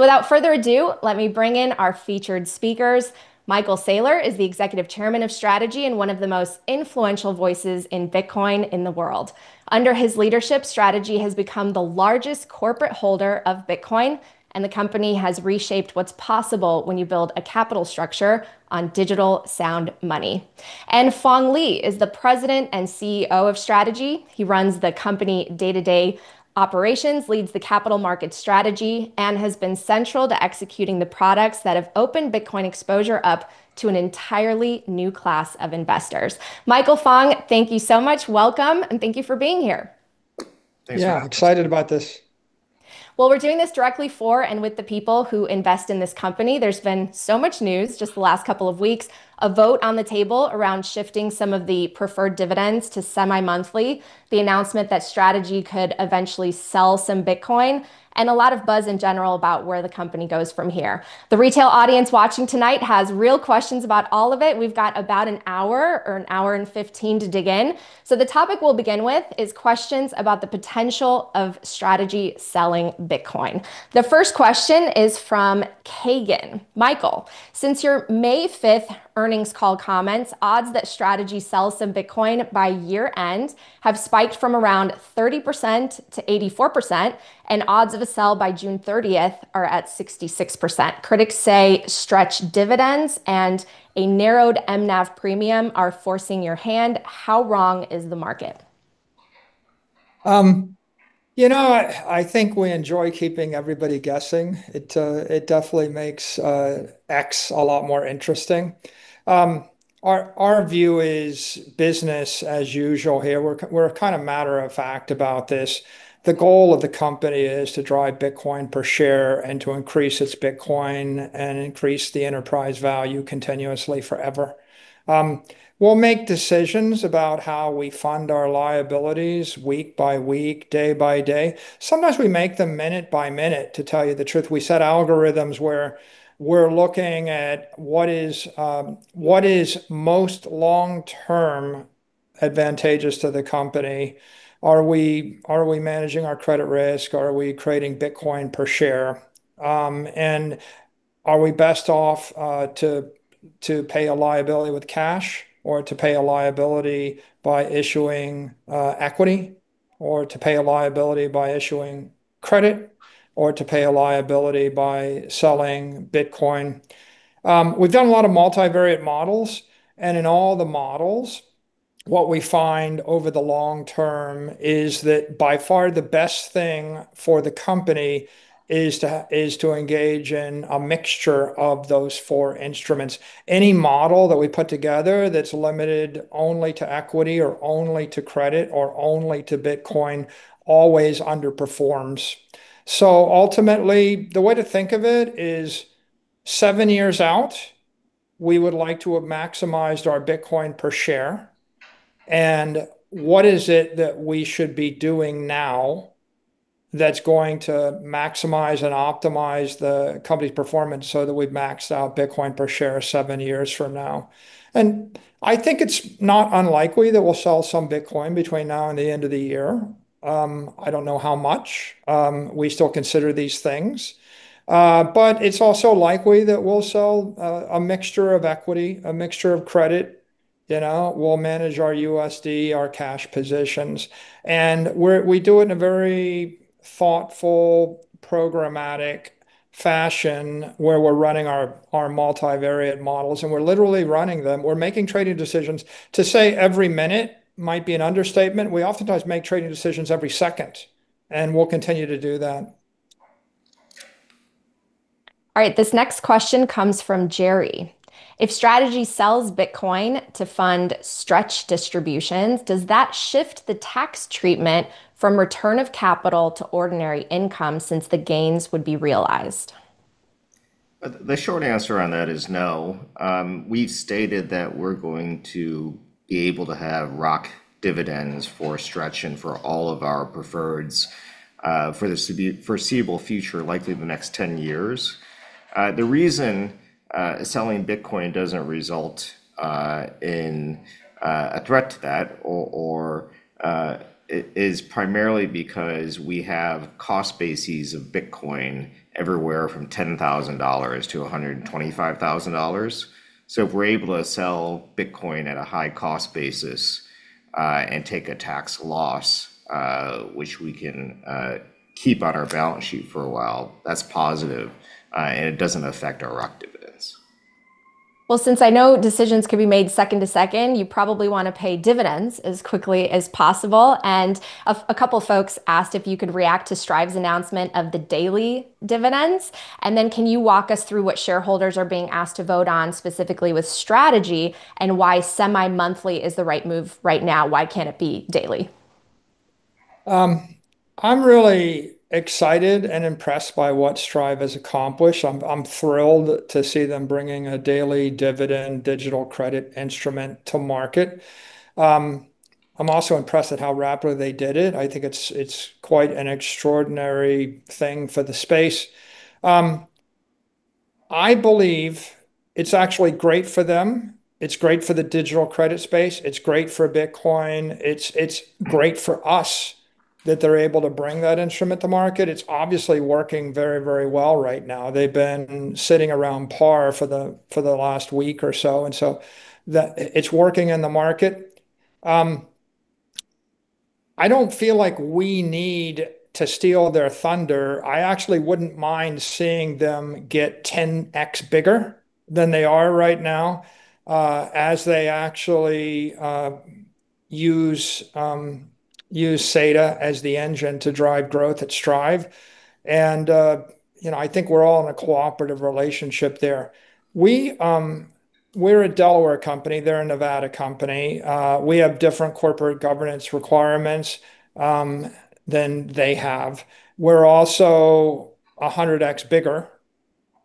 Without further ado, let me bring in our featured speakers. Michael Saylor is the Executive Chairman of Strategy and one of the most influential voices in Bitcoin in the world. Under his leadership, Strategy has become the largest corporate holder of Bitcoin, and the company has reshaped what's possible when you build a capital structure on digital sound money. Phong Le is the President and CEO of Strategy. He runs the company day-to-day operations, leads the capital market strategy, and has been central to executing the products that have opened Bitcoin exposure up to an entirely new class of investors. Michael, Phong, thank you so much. Welcome, and thank you for being here. Thanks. Yeah. Excited about this. We're doing this directly for and with the people who invest in this company. There's been so much news just the last couple of weeks, a vote on the table around shifting some of the preferred dividends to semi-monthly, the announcement that Strategy could eventually sell some Bitcoin, and a lot of buzz in general about where the company goes from here. The retail audience watching tonight has real questions about all of it. We've got about one hour or one hour and 15 to dig in. The topic we'll begin with is questions about the potential of Strategy selling Bitcoin. The first question is from Kagan. Michael, since your May 5th earnings call comments, odds that Strategy sells some Bitcoin by year-end have spiked from around 30% to 84%, and odds of a sell by June 30th are at 66%. Critics say stretched dividends and a narrowed mNAV premium are forcing your hand. How wrong is the market? I think we enjoy keeping everybody guessing. It definitely makes Strategy a lot more interesting. Our view is business as usual here. We're kind of matter of fact about this. The goal of the company is to drive Bitcoin per share and to increase its Bitcoin and increase the enterprise value continuously forever. We'll make decisions about how we fund our liabilities week by week, day by day. Sometimes we make them minute by minute, to tell you the truth. We set algorithms where we're looking at what is most long-term advantageous to the company. Are we managing our credit risk? Are we creating Bitcoin per share? And are we best off to pay a liability with cash or to pay a liability by issuing equity, or to pay a liability by issuing credit, or to pay a liability by selling Bitcoin? We've done a lot of multivariate models. In all the models, what we find over the long term is that by far the best thing for the company is to engage in a mixture of those four instruments. Any model that we put together that's limited only to equity or only to credit or only to Bitcoin always underperforms. Ultimately, the way to think of it is seven years out, we would like to have maximized our Bitcoin per share. What is it that we should be doing now that's going to maximize and optimize the company's performance so that we've maxed out Bitcoin per share seven years from now? I think it's not unlikely that we'll sell some Bitcoin between now and the end of the year. I don't know how much. We still consider these things. It's also likely that we'll sell a mixture of equity, a mixture of credit. We'll manage our USD, our cash positions, and we do it in a very thoughtful, programmatic fashion where we're running our multivariate models, and we're literally running them. We're making trading decisions. To say every minute might be an understatement. We oftentimes make trading decisions every second, and we'll continue to do that. All right, this next question comes from Jerry. If Strategy sells Bitcoin to fund stretched distributions, does that shift the tax treatment from return of capital to ordinary income since the gains would be realized? The short answer on that is no. We've stated that we're going to be able to have ROC dividends for Stretch and for all of our preferreds for the foreseeable future, likely the next 10 years. The reason selling Bitcoin doesn't result in a threat to that is primarily because we have cost bases of Bitcoin everywhere from $10,000 to $125,000. If we're able to sell Bitcoin at a high cost basis and take a tax loss, which we can keep on our balance sheet for a while, that's positive, and it doesn't affect our ROC dividends. Well, since I know decisions can be made second to second, you probably want to pay dividends as quickly as possible. A couple folks asked if you could react to Strive's announcement of the daily dividends, and then can you walk us through what shareholders are being asked to vote on specifically with Strategy and why semi-monthly is the right move right now? Why can't it be daily? I'm really excited and impressed by what Strive has accomplished. I'm thrilled to see them bringing a daily dividend digital credit instrument to market. I'm also impressed at how rapidly they did it. I think it's quite an extraordinary thing for the space. I believe it's actually great for them, it's great for the digital credit space, it's great for Bitcoin. It's great for us that they're able to bring that instrument to market. It's obviously working very well right now. They've been sitting around par for the last week or so. It's working in the market. I don't feel like we need to steal their thunder. I actually wouldn't mind seeing them get 10x bigger than they are right now, as they actually use SATA as the engine to drive growth at Strive. I think we're all in a cooperative relationship there. We're a Delaware company, they're a Nevada company. We have different corporate governance requirements than they have. We're also 100x bigger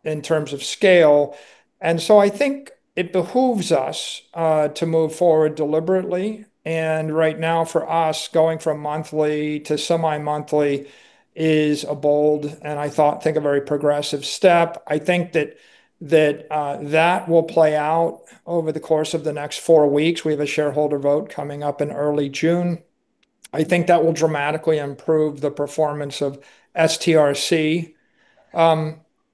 in terms of scale. I think it behooves us to move forward deliberately. Right now for us, going from monthly to semi-monthly is a bold, and I think a very progressive step. I think that will play out over the course of the next four weeks. We have a shareholder vote coming up in early June. I think that will dramatically improve the performance of STRC.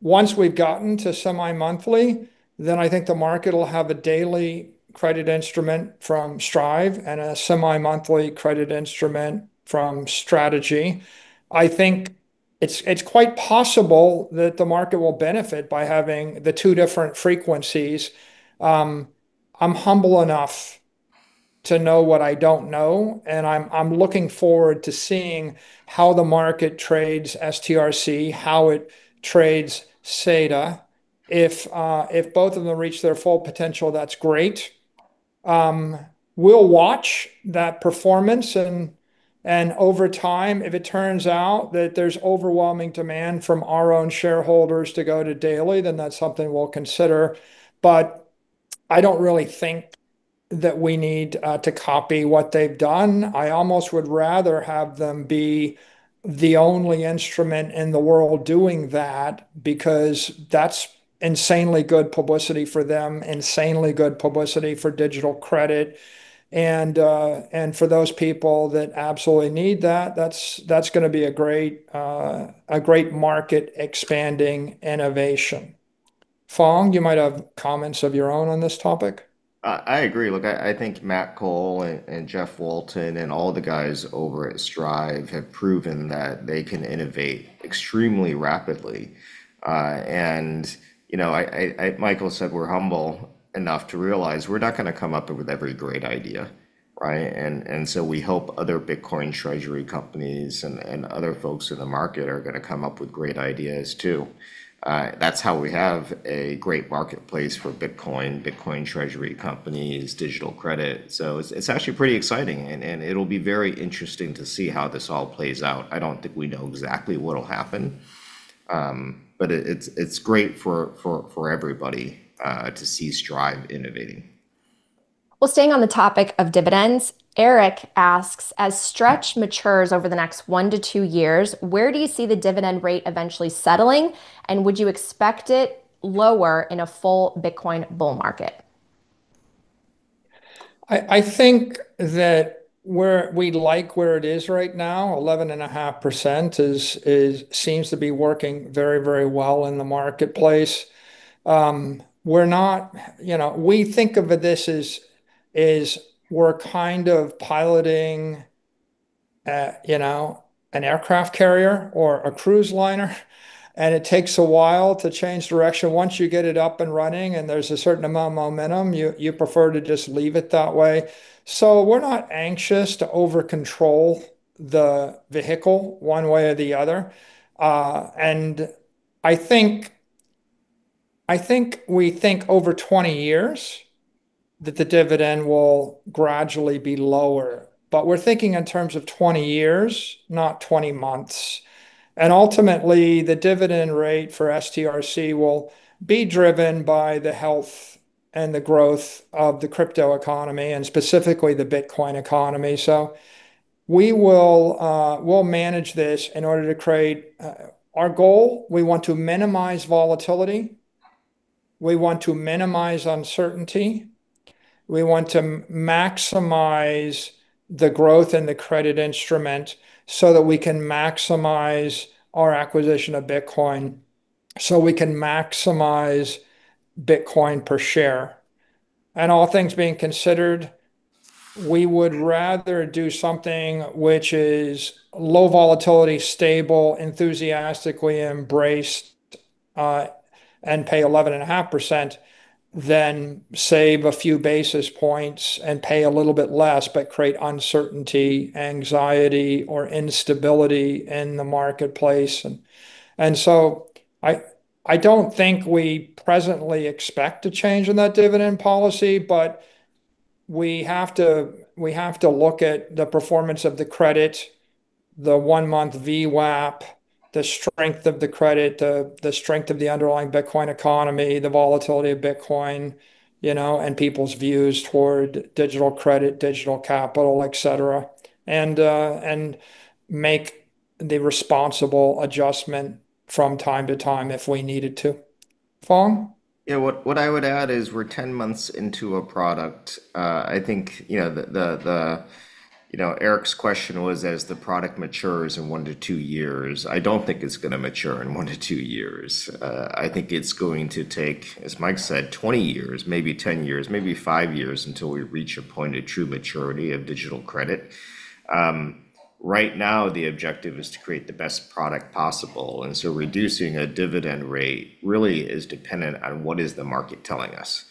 Once we've gotten to semi-monthly, I think the market will have a daily credit instrument from Strive and a semi-monthly credit instrument from Strategy. I think it's quite possible that the market will benefit by having the two different frequencies. I'm humble enough to know what I don't know, and I'm looking forward to seeing how the market trades STRC, how it trades SATA. If both of them reach their full potential, that's great. We'll watch that performance, and over time, if it turns out that there's overwhelming demand from our own shareholders to go to daily, then that's something we'll consider. I don't really think that we need to copy what they've done. I almost would rather have them be the only instrument in the world doing that, because that's insanely good publicity for them, insanely good publicity for digital credit. For those people that absolutely need that's going to be a great market-expanding innovation. Phong, you might have comments of your own on this topic. I agree. Look, I think Matt Cole and Jeff Walton and all the guys over at Strive have proven that they can innovate extremely rapidly. Michael said we're humble enough to realize we're not going to come up with every great idea, right? We hope other Bitcoin treasury companies and other folks in the market are going to come up with great ideas, too. That's how we have a great marketplace for Bitcoin treasury companies, digital credit. It's actually pretty exciting, and it'll be very interesting to see how this all plays out. I don't think we know exactly what'll happen. It's great for everybody, to see Strive innovating. Well, staying on the topic of dividends, Eric asks, "As Stretch matures over the next one to two years, where do you see the dividend rate eventually settling? Would you expect it lower in a full Bitcoin bull market? I think that we like where it is right now, 11.5% seems to be working very well in the marketplace. We think of this as we're kind of piloting an aircraft carrier or a cruise liner, and it takes a while to change direction. Once you get it up and running and there's a certain amount of momentum, you prefer to just leave it that way. We're not anxious to overcontrol the vehicle one way or the other. I think we think over 20 years that the dividend will gradually be lower. We're thinking in terms of 20 years, not 20 months. Ultimately, the dividend rate for STRC will be driven by the health and the growth of the crypto economy, and specifically the Bitcoin economy. We'll manage this in order to create our goal. We want to minimize volatility. We want to minimize uncertainty. We want to maximize the growth in the credit instrument so that we can maximize our acquisition of Bitcoin, so we can maximize Bitcoin per share. All things being considered, we would rather do something which is low volatility, stable, enthusiastically embraced, and pay 11.5% than save a few basis points and pay a little bit less, but create uncertainty, anxiety, or instability in the marketplace. So I don't think we presently expect a change in that dividend policy, but we have to look at the performance of the credit, the one-month VWAP, the strength of the credit, the strength of the underlying Bitcoin economy, the volatility of Bitcoin, and people's views toward digital credit, digital capital, et cetera. Make the responsible adjustment from time to time if we needed to. Phong? Yeah. What I would add is we're 10 months into a product. I think Eric's question was as the product matures in one to two years. I don't think it's going to mature in one to two years. I think it's going to take, as Mike said, 20 years, maybe 10 years, maybe five years until we reach a point of true maturity of digital credit. Right now, the objective is to create the best product possible. Reducing a dividend rate really is dependent on what is the market telling us.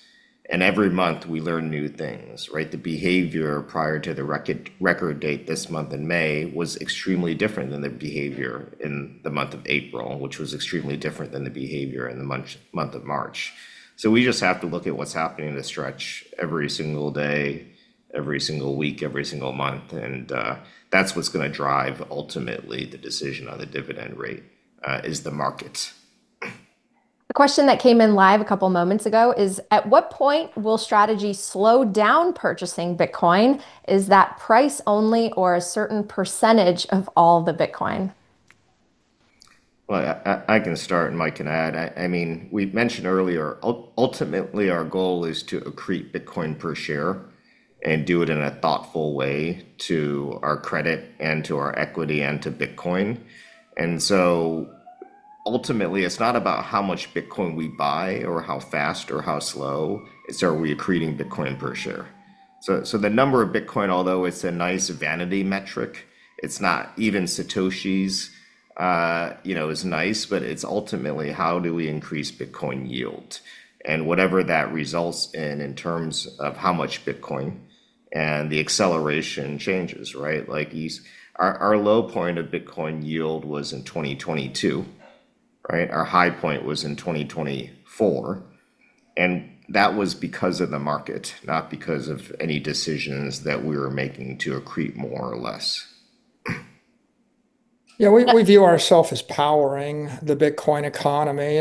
Every month we learn new things, right? The behavior prior to the record date this month in May was extremely different than the behavior in the month of April, which was extremely different than the behavior in the month of March. We just have to look at what's happening in the Stretch every single day, every single week, every single month, and that's what's going to drive, ultimately, the decision on the dividend rate, is the market. A question that came in live a couple of moments ago is, at what point will Strategy slow down purchasing Bitcoin? Is that price only or a certain percent of all the Bitcoin? Well, I can start. Mike can add. We've mentioned earlier, ultimately our goal is to accrete Bitcoin per share and do it in a thoughtful way to our credit and to our equity and to Bitcoin. Ultimately, it's not about how much Bitcoin we buy or how fast or how slow. It's are we accreting Bitcoin per share. The number of Bitcoin, although it's a nice vanity metric, it's not even satoshis is nice, but it's ultimately how do we increase Bitcoin yield? Whatever that results in in terms of how much Bitcoin and the acceleration changes, right? Our low point of Bitcoin yield was in 2022, right? Our high point was in 2024, and that was because of the market, not because of any decisions that we were making to accrete more or less. Yeah. We view ourself as powering the Bitcoin economy,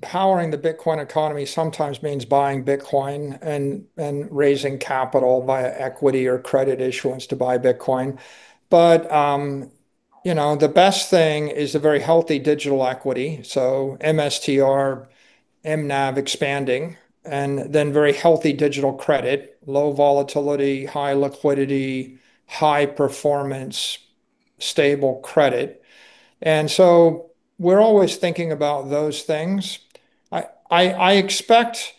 powering the Bitcoin economy sometimes means buying Bitcoin and raising capital via equity or credit issuance to buy Bitcoin. The best thing is a very healthy digital equity, MSTR mNAV expanding, very healthy digital credit, low volatility, high liquidity, high performance, stable credit. We're always thinking about those things. I expect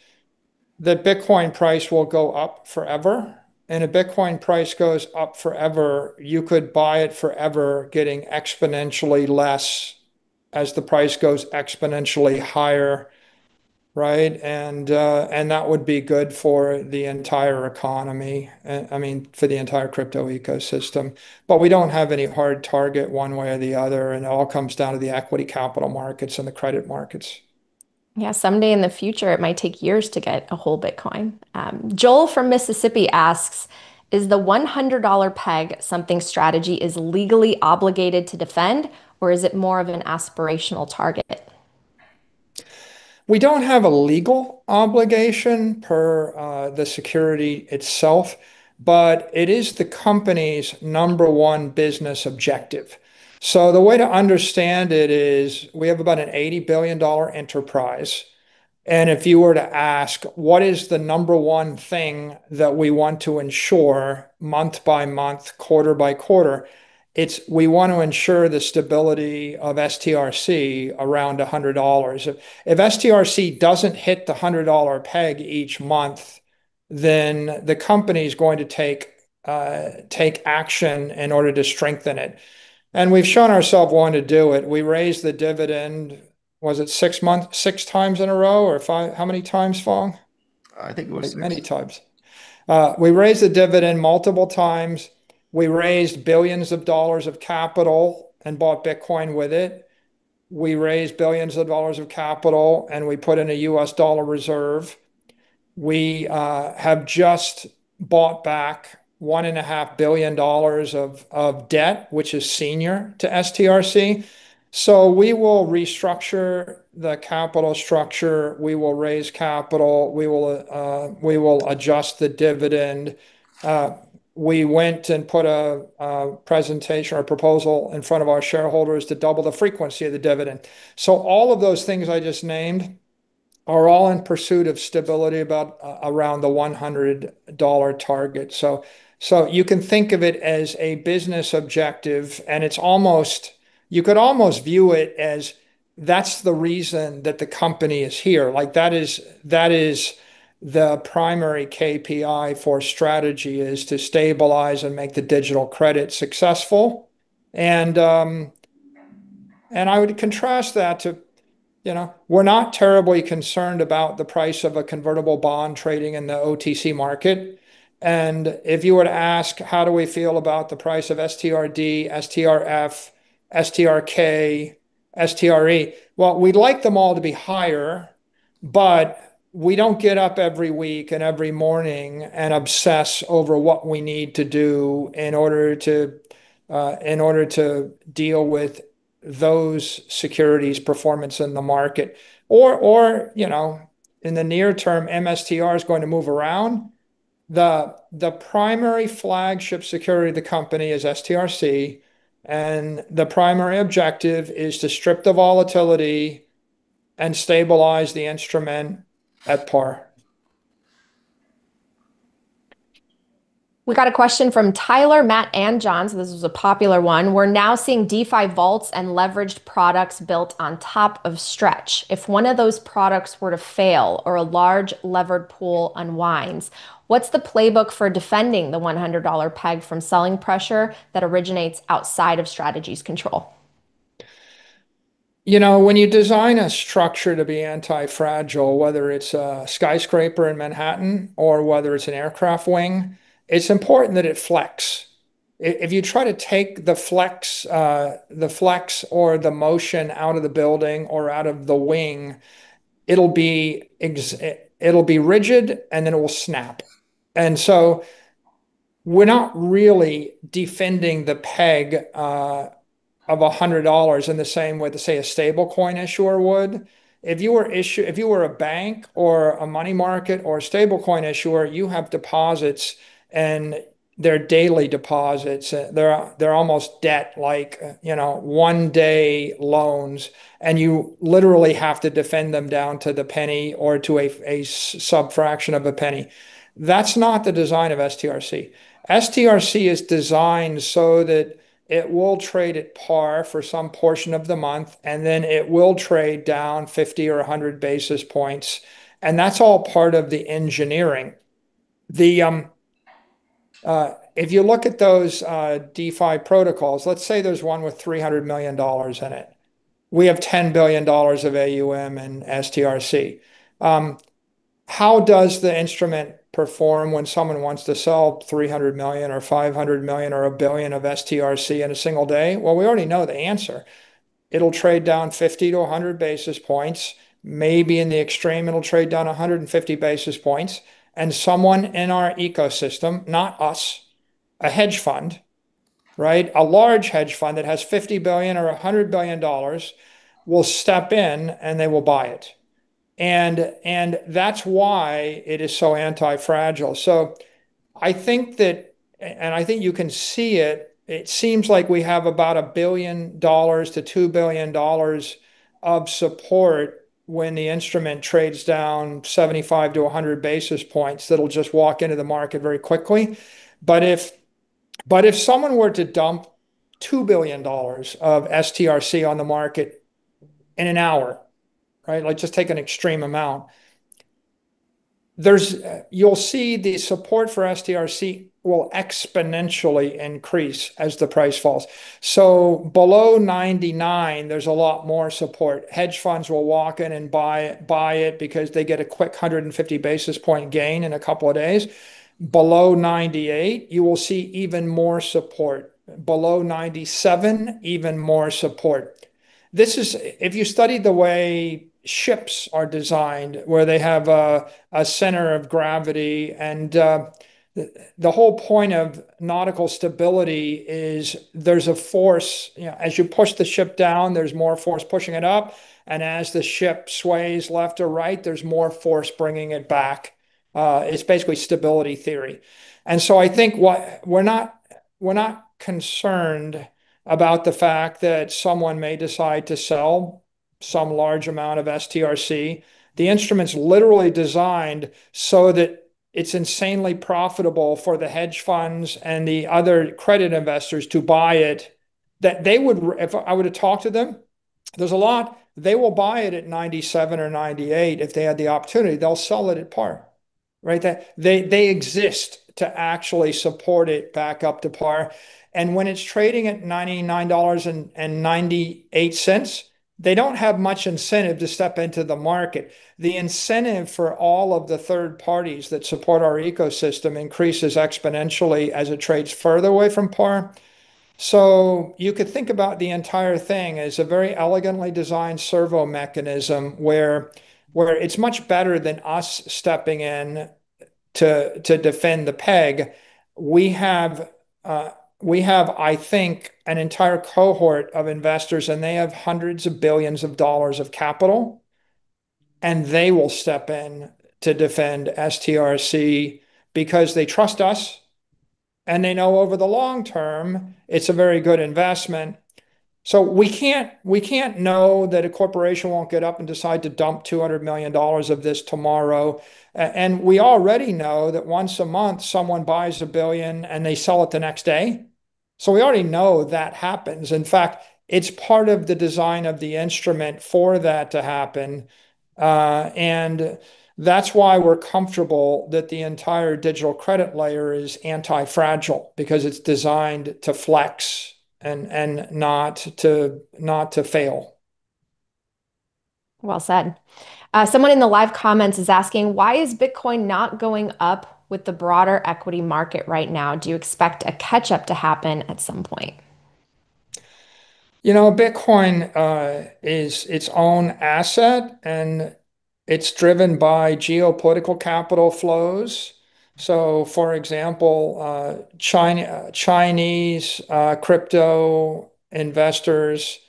the Bitcoin price will go up forever. If Bitcoin price goes up forever, you could buy it forever, getting exponentially less as the price goes exponentially higher, right? That would be good for the entire economy, I mean, for the entire crypto ecosystem. We don't have any hard target one way or the other, and it all comes down to the equity capital markets and the credit markets. Yeah. Someday in the future, it might take years to get a whole Bitcoin. Joel from Mississippi asks, is the $100 peg something Strategy is legally obligated to defend, or is it more of an aspirational target? We don't have a legal obligation per the security itself, but it is the company's number one business objective. The way to understand it is we have about an $80 billion enterprise, and if you were to ask, what is the number one thing that we want to ensure month by month, quarter by quarter, it's we want to ensure the stability of STRC around $100. If STRC doesn't hit the $100 peg each month, then the company's going to take action in order to strengthen it. We've shown ourself wanting to do it. We raised the dividend, was it six times in a row or five? How many times, Phong? I think it was six. Many times. We raised the dividend multiple times. We raised billions of dollars of capital and bought Bitcoin with it. We raised billions of dollars of capital, and we put in a U.S. dollar reserve. We have just bought back $1.5 billion of debt, which is senior to STRC. We will restructure the capital structure. We will raise capital. We will adjust the dividend. We went and put a presentation or proposal in front of our shareholders to double the frequency of the dividend. All of those things I just named are all in pursuit of stability around the $100 target. You can think of it as a business objective, and you could almost view it as that's the reason that the company is here. That is the primary KPI for Strategy is to stabilize and make the digital credit successful. I would contrast that to we're not terribly concerned about the price of a convertible bond trading in the OTC market. If you were to ask, how do we feel about the price of STRD, STRF, STRK, STRE? Well, we'd like them all to be higher, but we don't get up every week and every morning and obsess over what we need to do in order to deal with those securities' performance in the market. Or, you know, in the near term, MSTR is going to move around. The primary flagship security of the company is STRC, and the primary objective is to strip the volatility and stabilize the instrument at par. We got a question from Tyler, Matt, and John. This was a popular one. We're now seeing DeFi vaults and leveraged products built on top of Stretch. If one of those products were to fail or a large levered pool unwinds, what's the playbook for defending the $100 peg from selling pressure that originates outside of Strategy's control? When you design a structure to be anti-fragile, whether it's a skyscraper in Manhattan or whether it's an aircraft wing, it's important that it flex. If you try to take the flex or the motion out of the building or out of the wing, it'll be rigid and then it will snap. We're not really defending the peg of $100 in the same way that, say, a stablecoin issuer would. If you were a bank or a money market or a stablecoin issuer, you have deposits, and they're daily deposits. They're almost debt, like one-day loans, and you literally have to defend them down to $0.01 or to a subfraction of a penny. That's not the design of STRC. STRC is designed so that it will trade at par for some portion of the month, then it will trade down 50 or 100 basis points, and that's all part of the engineering. If you look at those DeFi protocols, let's say there's one with $300 million in it. We have $10 billion of AUM in STRC. How does the instrument perform when someone wants to sell $300 million or $500 million or $1 billion of STRC in a single day? Well, we already know the answer. It'll trade down 50 to 100 basis points. Maybe in the extreme, it'll trade down 150 basis points. Someone in our ecosystem, not us, a hedge fund. A large hedge fund that has $50 billion or $100 billion will step in and they will buy it, and that's why it is so anti-fragile. I think that, and I think you can see it seems like we have about $1 billion-$2 billion of support when the instrument trades down 75-100 basis points, that'll just walk into the market very quickly. If someone were to dump $2 billion of STRC on the market in an hour. Let's just take an extreme amount. You'll see the support for STRC will exponentially increase as the price falls. Below 99, there's a lot more support. Hedge funds will walk in and buy it because they get a quick 150 basis point gain in a couple of days. Below 98, you will see even more support. Below 97, you will see even more support. If you study the way ships are designed, where they have a center of gravity, and the whole point of nautical stability is there's a force. As you push the ship down, there's more force pushing it up, and as the ship sways left or right, there's more force bringing it back. It's basically stability theory. I think we're not concerned about the fact that someone may decide to sell some large amount of STRC. The instrument's literally designed so that it's insanely profitable for the hedge funds and the other credit investors to buy it, that if I were to talk to them, there's a lot. They will buy it at $97 or $98 if they had the opportunity. They'll sell it at par. They exist to actually support it back up to par. When it's trading at $99.98, they don't have much incentive to step into the market. The incentive for all of the third parties that support our ecosystem increases exponentially as it trades further away from par. You could think about the entire thing as a very elegantly designed servo mechanism, where it's much better than us stepping in to defend the peg. We have, I think, an entire cohort of investors, and they have hundreds of billions of dollars of capital, and they will step in to defend STRC because they trust us, and they know over the long term, it's a very good investment. We can't know that a corporation won't get up and decide to dump $200 million of this tomorrow. We already know that once a month, someone buys $1 billion and they sell it the next day. We already know that happens. In fact, it's part of the design of the instrument for that to happen. That's why we're comfortable that the entire digital credit layer is anti-fragile, because it's designed to flex and not to fail. Well said. Someone in the live comments is asking, why is Bitcoin not going up with the broader equity market right now. Do you expect a catch-up to happen at some point? Bitcoin is its own asset, it's driven by geopolitical capital flows. For example, Chinese crypto investors,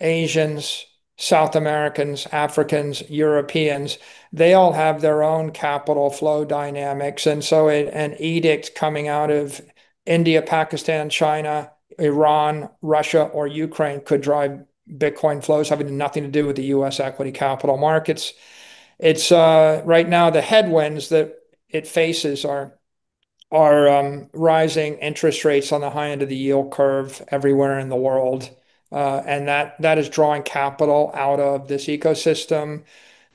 Asians, South Americans, Africans, Europeans, they all have their own capital flow dynamics. An edict coming out of India, Pakistan, China, Iran, Russia, or Ukraine could drive Bitcoin flows having nothing to do with the U.S. equity capital markets. Right now, the headwinds that it faces are rising interest rates on the high end of the yield curve everywhere in the world. That is drawing capital out of this ecosystem.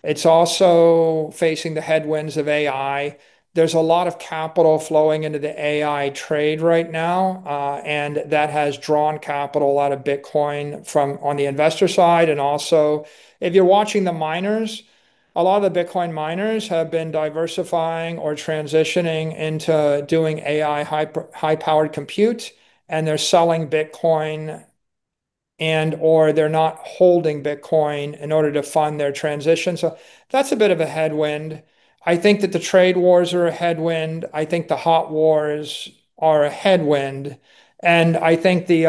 It's also facing the headwinds of AI. There's a lot of capital flowing into the AI trade right now, that has drawn capital out of Bitcoin from on the investor side. If you're watching the miners, a lot of the Bitcoin miners have been diversifying or transitioning into doing AI high-powered compute, and they're selling Bitcoin and/or they're not holding Bitcoin in order to fund their transition. That's a bit of a headwind. I think that the trade wars are a headwind. I think the hot wars are a headwind. I think the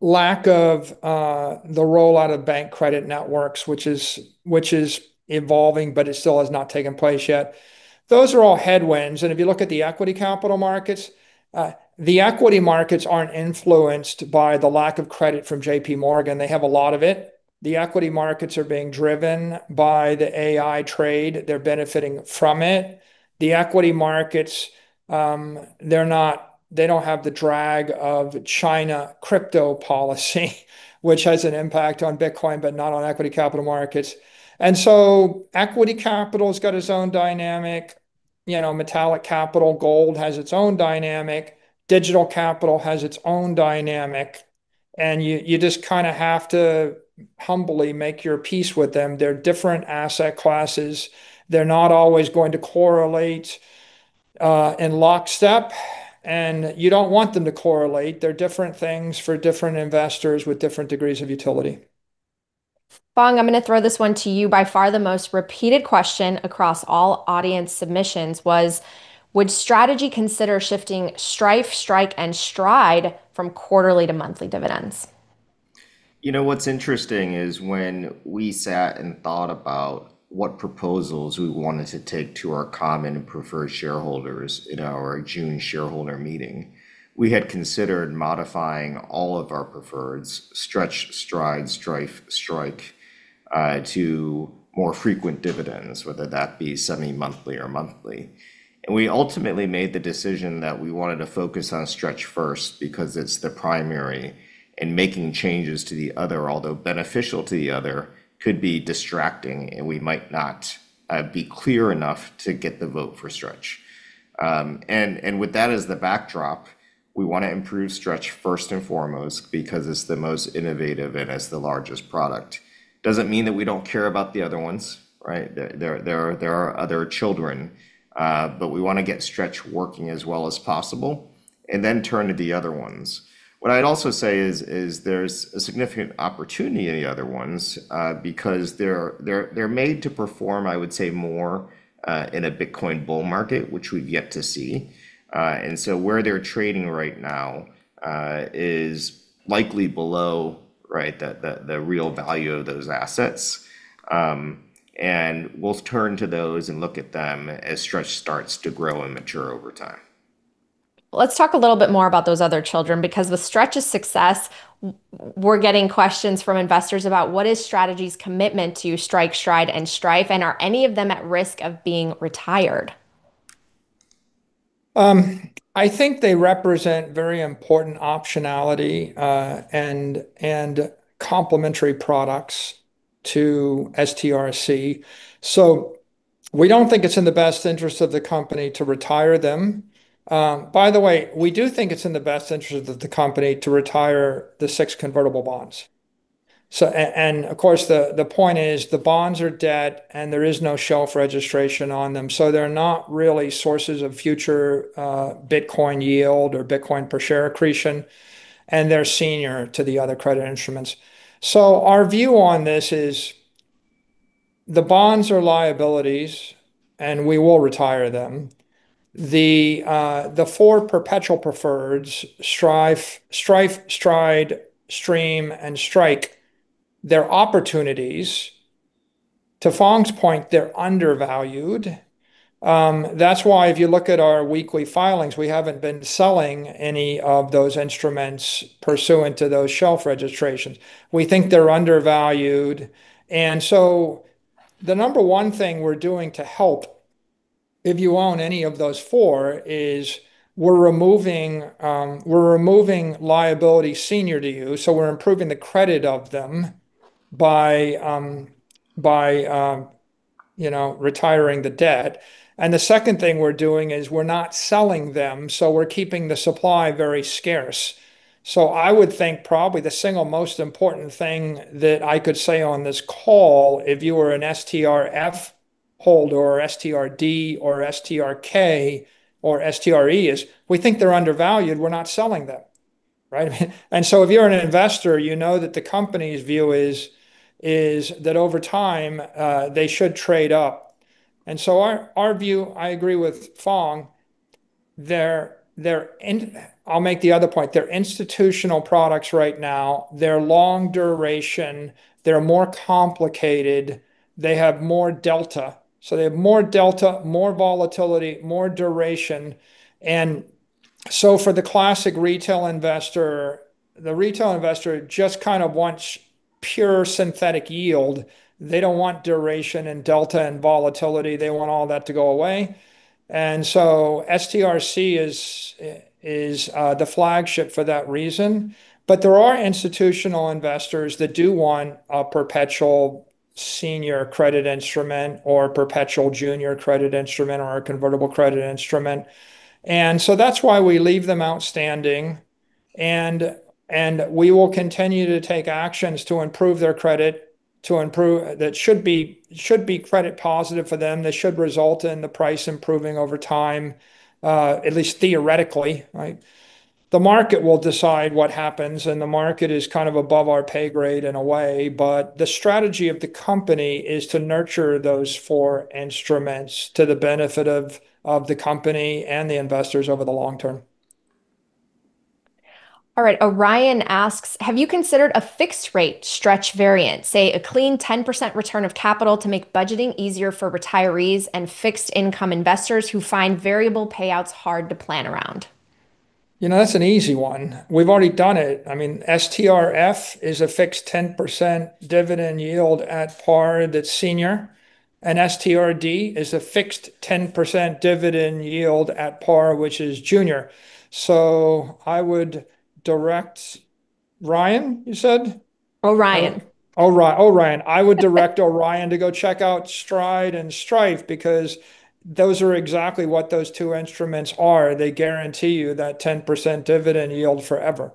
lack of the rollout of bank credit networks, which is evolving, but it still has not taken place yet. Those are all headwinds. If you look at the equity capital markets, the equity markets aren't influenced by the lack of credit from JPMorgan. They have a lot of it. The equity markets are being driven by the AI trade. They're benefiting from it. The equity markets, they don't have the drag of China crypto policy, which has an impact on Bitcoin, but not on equity capital markets. Equity capital's got its own dynamic. Metallic capital, gold, has its own dynamic. Digital capital has its own dynamic, and you just kind of have to humbly make your peace with them. They're different asset classes. They're not always going to correlate in lockstep, and you don't want them to correlate. They're different things for different investors with different degrees of utility. Phong, I'm going to throw this one to you. By far the most repeated question across all audience submissions was, would Strategy consider shifting Strife, Strike, and Stride from quarterly to monthly dividends? What's interesting is when we sat and thought about what proposals we wanted to take to our common and preferred shareholders in our June shareholder meeting, we had considered modifying all of our preferreds, Stretch, Stride, Strife, Strike, to more frequent dividends, whether that be semi-monthly or monthly. We ultimately made the decision that we wanted to focus on Stretch first because it's the primary, and making changes to the other, although beneficial to the other, could be distracting, and we might not be clear enough to get the vote for Stretch. With that as the backdrop, we want to improve Stretch first and foremost because it's the most innovative and it's the largest product. Doesn't mean that we don't care about the other ones, right? They're our other children. We want to get Stretch working as well as possible and then turn to the other ones. What I'd also say is there's a significant opportunity in the other ones, because they're made to perform, I would say, more, in a Bitcoin bull market, which we've yet to see. Where they're trading right now is likely below the real value of those assets. We'll turn to those and look at them as Stretch starts to grow and mature over time. Let's talk a little bit more about those other children, because with Stretch's success, we're getting questions from investors about what is Strategy's commitment to Strike, Stride, and Strife, and are any of them at risk of being retired? I think they represent very important optionality, and complementary products to STRC. We don't think it's in the best interest of the company to retire them. By the way, we do think it's in the best interest of the company to retire the six convertible bonds. Of course, the point is the bonds are debt and there is no shelf registration on them. They're not really sources of future Bitcoin yield or Bitcoin per share accretion, and they're senior to the other credit instruments. Our view on this is the bonds are liabilities, and we will retire them. The four perpetual preferreds, Strife, Stride, Stream, and Strike, they're opportunities. To Phong's point, they're undervalued. That's why if you look at our weekly filings, we haven't been selling any of those instruments pursuant to those shelf registrations. We think they're undervalued. The number one thing we're doing to help, if you own any of those four, is we're removing liability senior to you, so we're improving the credit of them by retiring the debt. The second thing we're doing is we're not selling them, so we're keeping the supply very scarce. I would think probably the single most important thing that I could say on this call, if you were an STRF holder or STRD or STRK or STRE, is we think they're undervalued. We're not selling them, right? If you're an investor, you know that the company's view is that over time they should trade up. Our view, I agree with Phong. I'll make the other point. They're institutional products right now. They're long duration. They're more complicated. They have more delta. They have more delta, more volatility, more duration. For the classic retail investor, the retail investor just kind of wants pure synthetic yield. They don't want duration and delta and volatility. They want all that to go away. STRC is the flagship for that reason. There are institutional investors that do want a perpetual senior credit instrument or a perpetual junior credit instrument or a convertible credit instrument. That's why we leave them outstanding. We will continue to take actions to improve their credit, that should be credit positive for them, that should result in the price improving over time, at least theoretically, right? The market will decide what happens, and the market is kind of above our pay grade in a way. The strategy of the company is to nurture those four instruments to the benefit of the company and the investors over the long term. All right. Orion asks: Have you considered a fixed rate Stretch variant, say a clean 10% return of capital to make budgeting easier for retirees and fixed income investors who find variable payouts hard to plan around? That's an easy one. We've already done it. I mean, STRF is a fixed 10% dividend yield at par that's senior, and STRD is a fixed 10% dividend yield at par, which is junior. I would direct, Ryan, you said? Orion. Oh, Orion. I would direct Orion to go check out Stride and Strife because those are exactly what those two instruments are. They guarantee you that 10% dividend yield forever.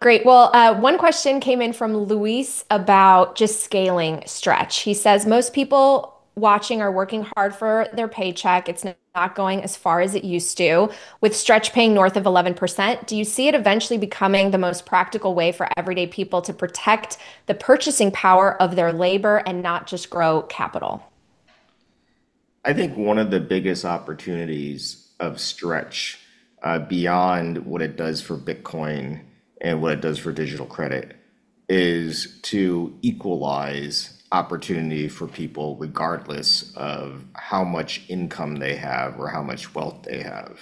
Great. Well, one question came in from Luis about just scaling Stretch. He says, "Most people watching are working hard for their paycheck. It's not going as far as it used to. With Stretch paying north of 11%, do you see it eventually becoming the most practical way for everyday people to protect the purchasing power of their labor and not just grow capital? I think one of the biggest opportunities of Stretch, beyond what it does for Bitcoin and what it does for digital credit, is to equalize opportunity for people regardless of how much income they have or how much wealth they have.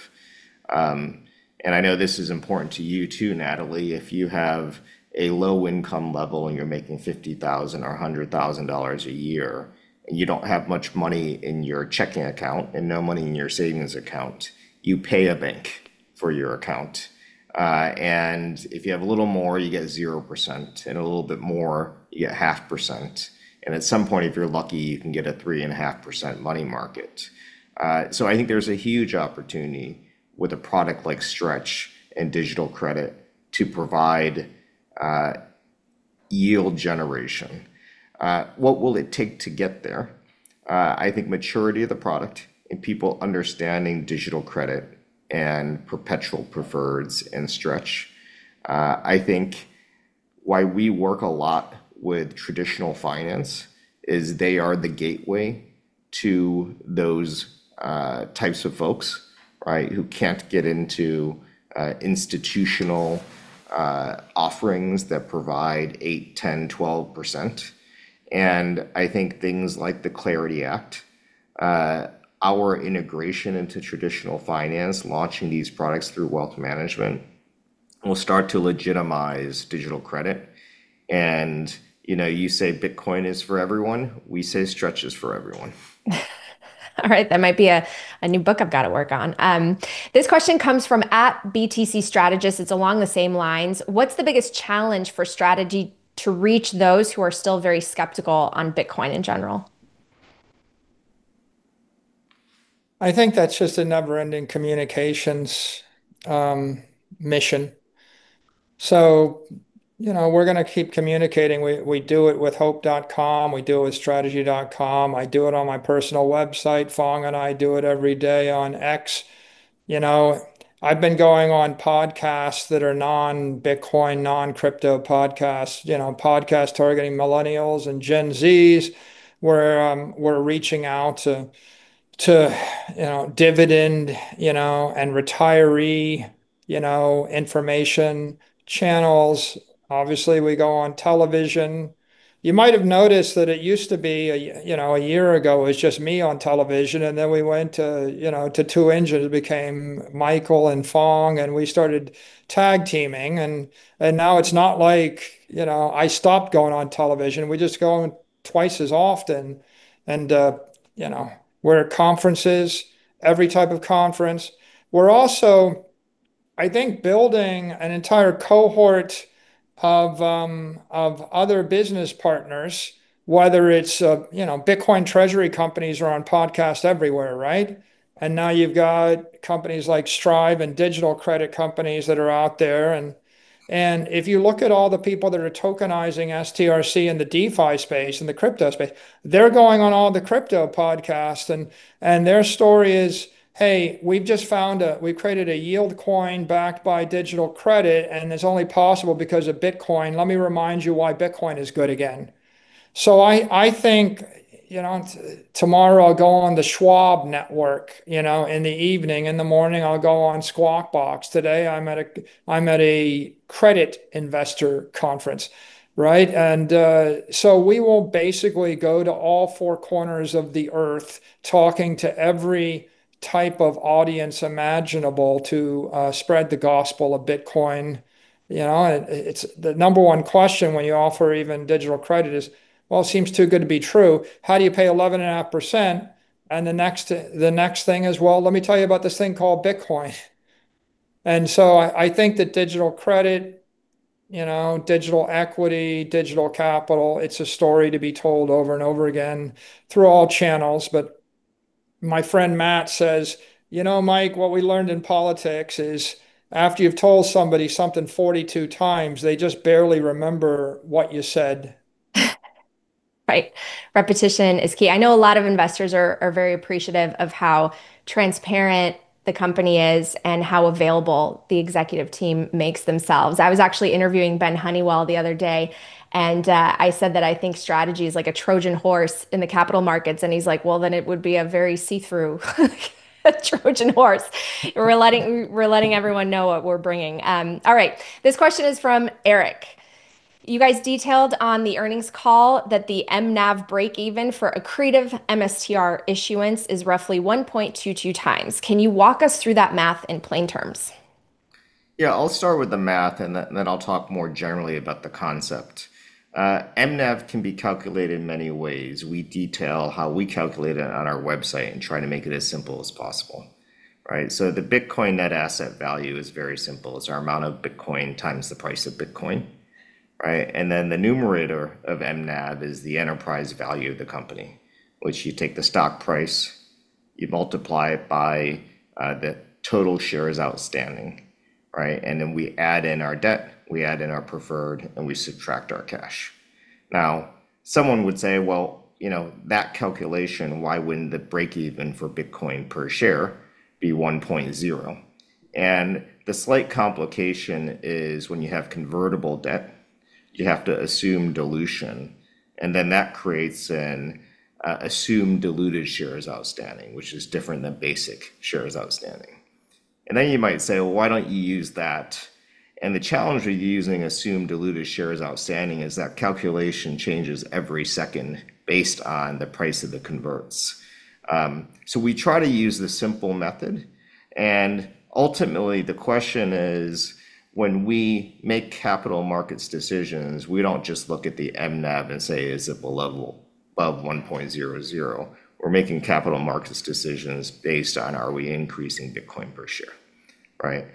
I know this is important to you, too, Natalie. If you have a low income level and you're making $50,000 or $100,000 a year, and you don't have much money in your checking account and no money in your savings account, you pay a bank for your account. If you have a little more, you get 0%, a little bit more, you get 0.5%. At some point, if you're lucky, you can get a 3.5% money market. I think there's a huge opportunity with a product like Stretch and digital credit to provide yield generation. What will it take to get there? I think maturity of the product and people understanding digital credit and perpetual preferreds and Stretch. I think why we work a lot with traditional finance is they are the gateway to those types of folks, right, who can't get into institutional offerings that provide 8%, 10%, 12%. I think things like the CLARITY Act, our integration into traditional finance, launching these products through wealth management, will start to legitimize digital credit. You say Bitcoin is for everyone. We say Stretch is for everyone. All right. That might be a new book I've got to work on. This question comes from BTC Strategist. It's along the same lines. What's the biggest challenge for Strategy to reach those who are still very skeptical on Bitcoin in general? I think that's just a never-ending communications mission. We're going to keep communicating. We do it with hope.com. We do it with strategy.com. I do it on my personal website. Phong and I do it every day on X. I've been going on podcasts that are non-Bitcoin, non-crypto podcasts targeting Millennials and Gen Zs, where we're reaching out to dividend and retiree information channels. Obviously, we go on television. You might have noticed that it used to be, a year ago, it was just me on television, we went to two engines. It became Michael and Phong, we started tag teaming. Now it's not like I stopped going on television. We just go on twice as often. We're at conferences, every type of conference. We're also, I think, building an entire cohort of other business partners, whether it's Bitcoin treasury companies are on podcasts everywhere, right? Now you've got companies like Strive and digital credit companies that are out there. If you look at all the people that are tokenizing STRC in the DeFi space and the crypto space, they're going on all the crypto podcasts. Their story is, "Hey, we've created a yield coin backed by digital credit, and it's only possible because of Bitcoin. Let me remind you why Bitcoin is good again." I think tomorrow I'll go on the Schwab Network in the evening. In the morning, I'll go on Squawk Box. Today, I'm at a credit investor conference, right? We will basically go to all four corners of the Earth talking to every type of audience imaginable to spread the gospel of Bitcoin. The number one question when you offer even digital credit is, "Well, it seems too good to be true. How do you pay 11.5%?" The next thing is, "Well, let me tell you about this thing called Bitcoin." I think that digital credit, digital equity, digital capital, it's a story to be told over and over again through all channels. My friend Matt says, "You know, Mike, what we learned in politics is after you've told somebody something 42 times, they just barely remember what you said. Right. Repetition is key. I know a lot of investors are very appreciative of how transparent the company is and how available the executive team makes themselves. I was actually interviewing Ben Horowitz the other day. I said that I think Strategy is like a Trojan horse in the capital markets. He's like, "Well, then it would be a very see-through Trojan horse." We're letting everyone know what we're bringing. All right. This question is from Eric. You guys detailed on the earnings call that the mNAV break-even for accretive MSTR issuance is roughly 1.22 times. Can you walk us through that math in plain terms? Yeah. I'll start with the math, and then I'll talk more generally about the concept. mNAV can be calculated in many ways. We detail how we calculate it on our website and try to make it as simple as possible. Right? The Bitcoin net asset value is very simple. It's our amount of Bitcoin times the price of Bitcoin. Right? The numerator of mNAV is the enterprise value of the company. Which you take the stock price, you multiply it by the total shares outstanding. Right? Then we add in our debt, we add in our preferred, and we subtract our cash. Someone would say, well, that calculation, why wouldn't the break-even for Bitcoin per share be 1.0? The slight complication is when you have convertible debt, you have to assume dilution, and that creates an assumed diluted shares outstanding, which is different than basic shares outstanding. Then you might say, "Well, why don't you use that?" The challenge with using assumed diluted shares outstanding is that calculation changes every second based on the price of the converts. We try to use the simple method, and ultimately the question is, when we make capital markets decisions, we don't just look at the mNAV and say is it above 1.00? We're making capital markets decisions based on are we increasing Bitcoin per share. Right.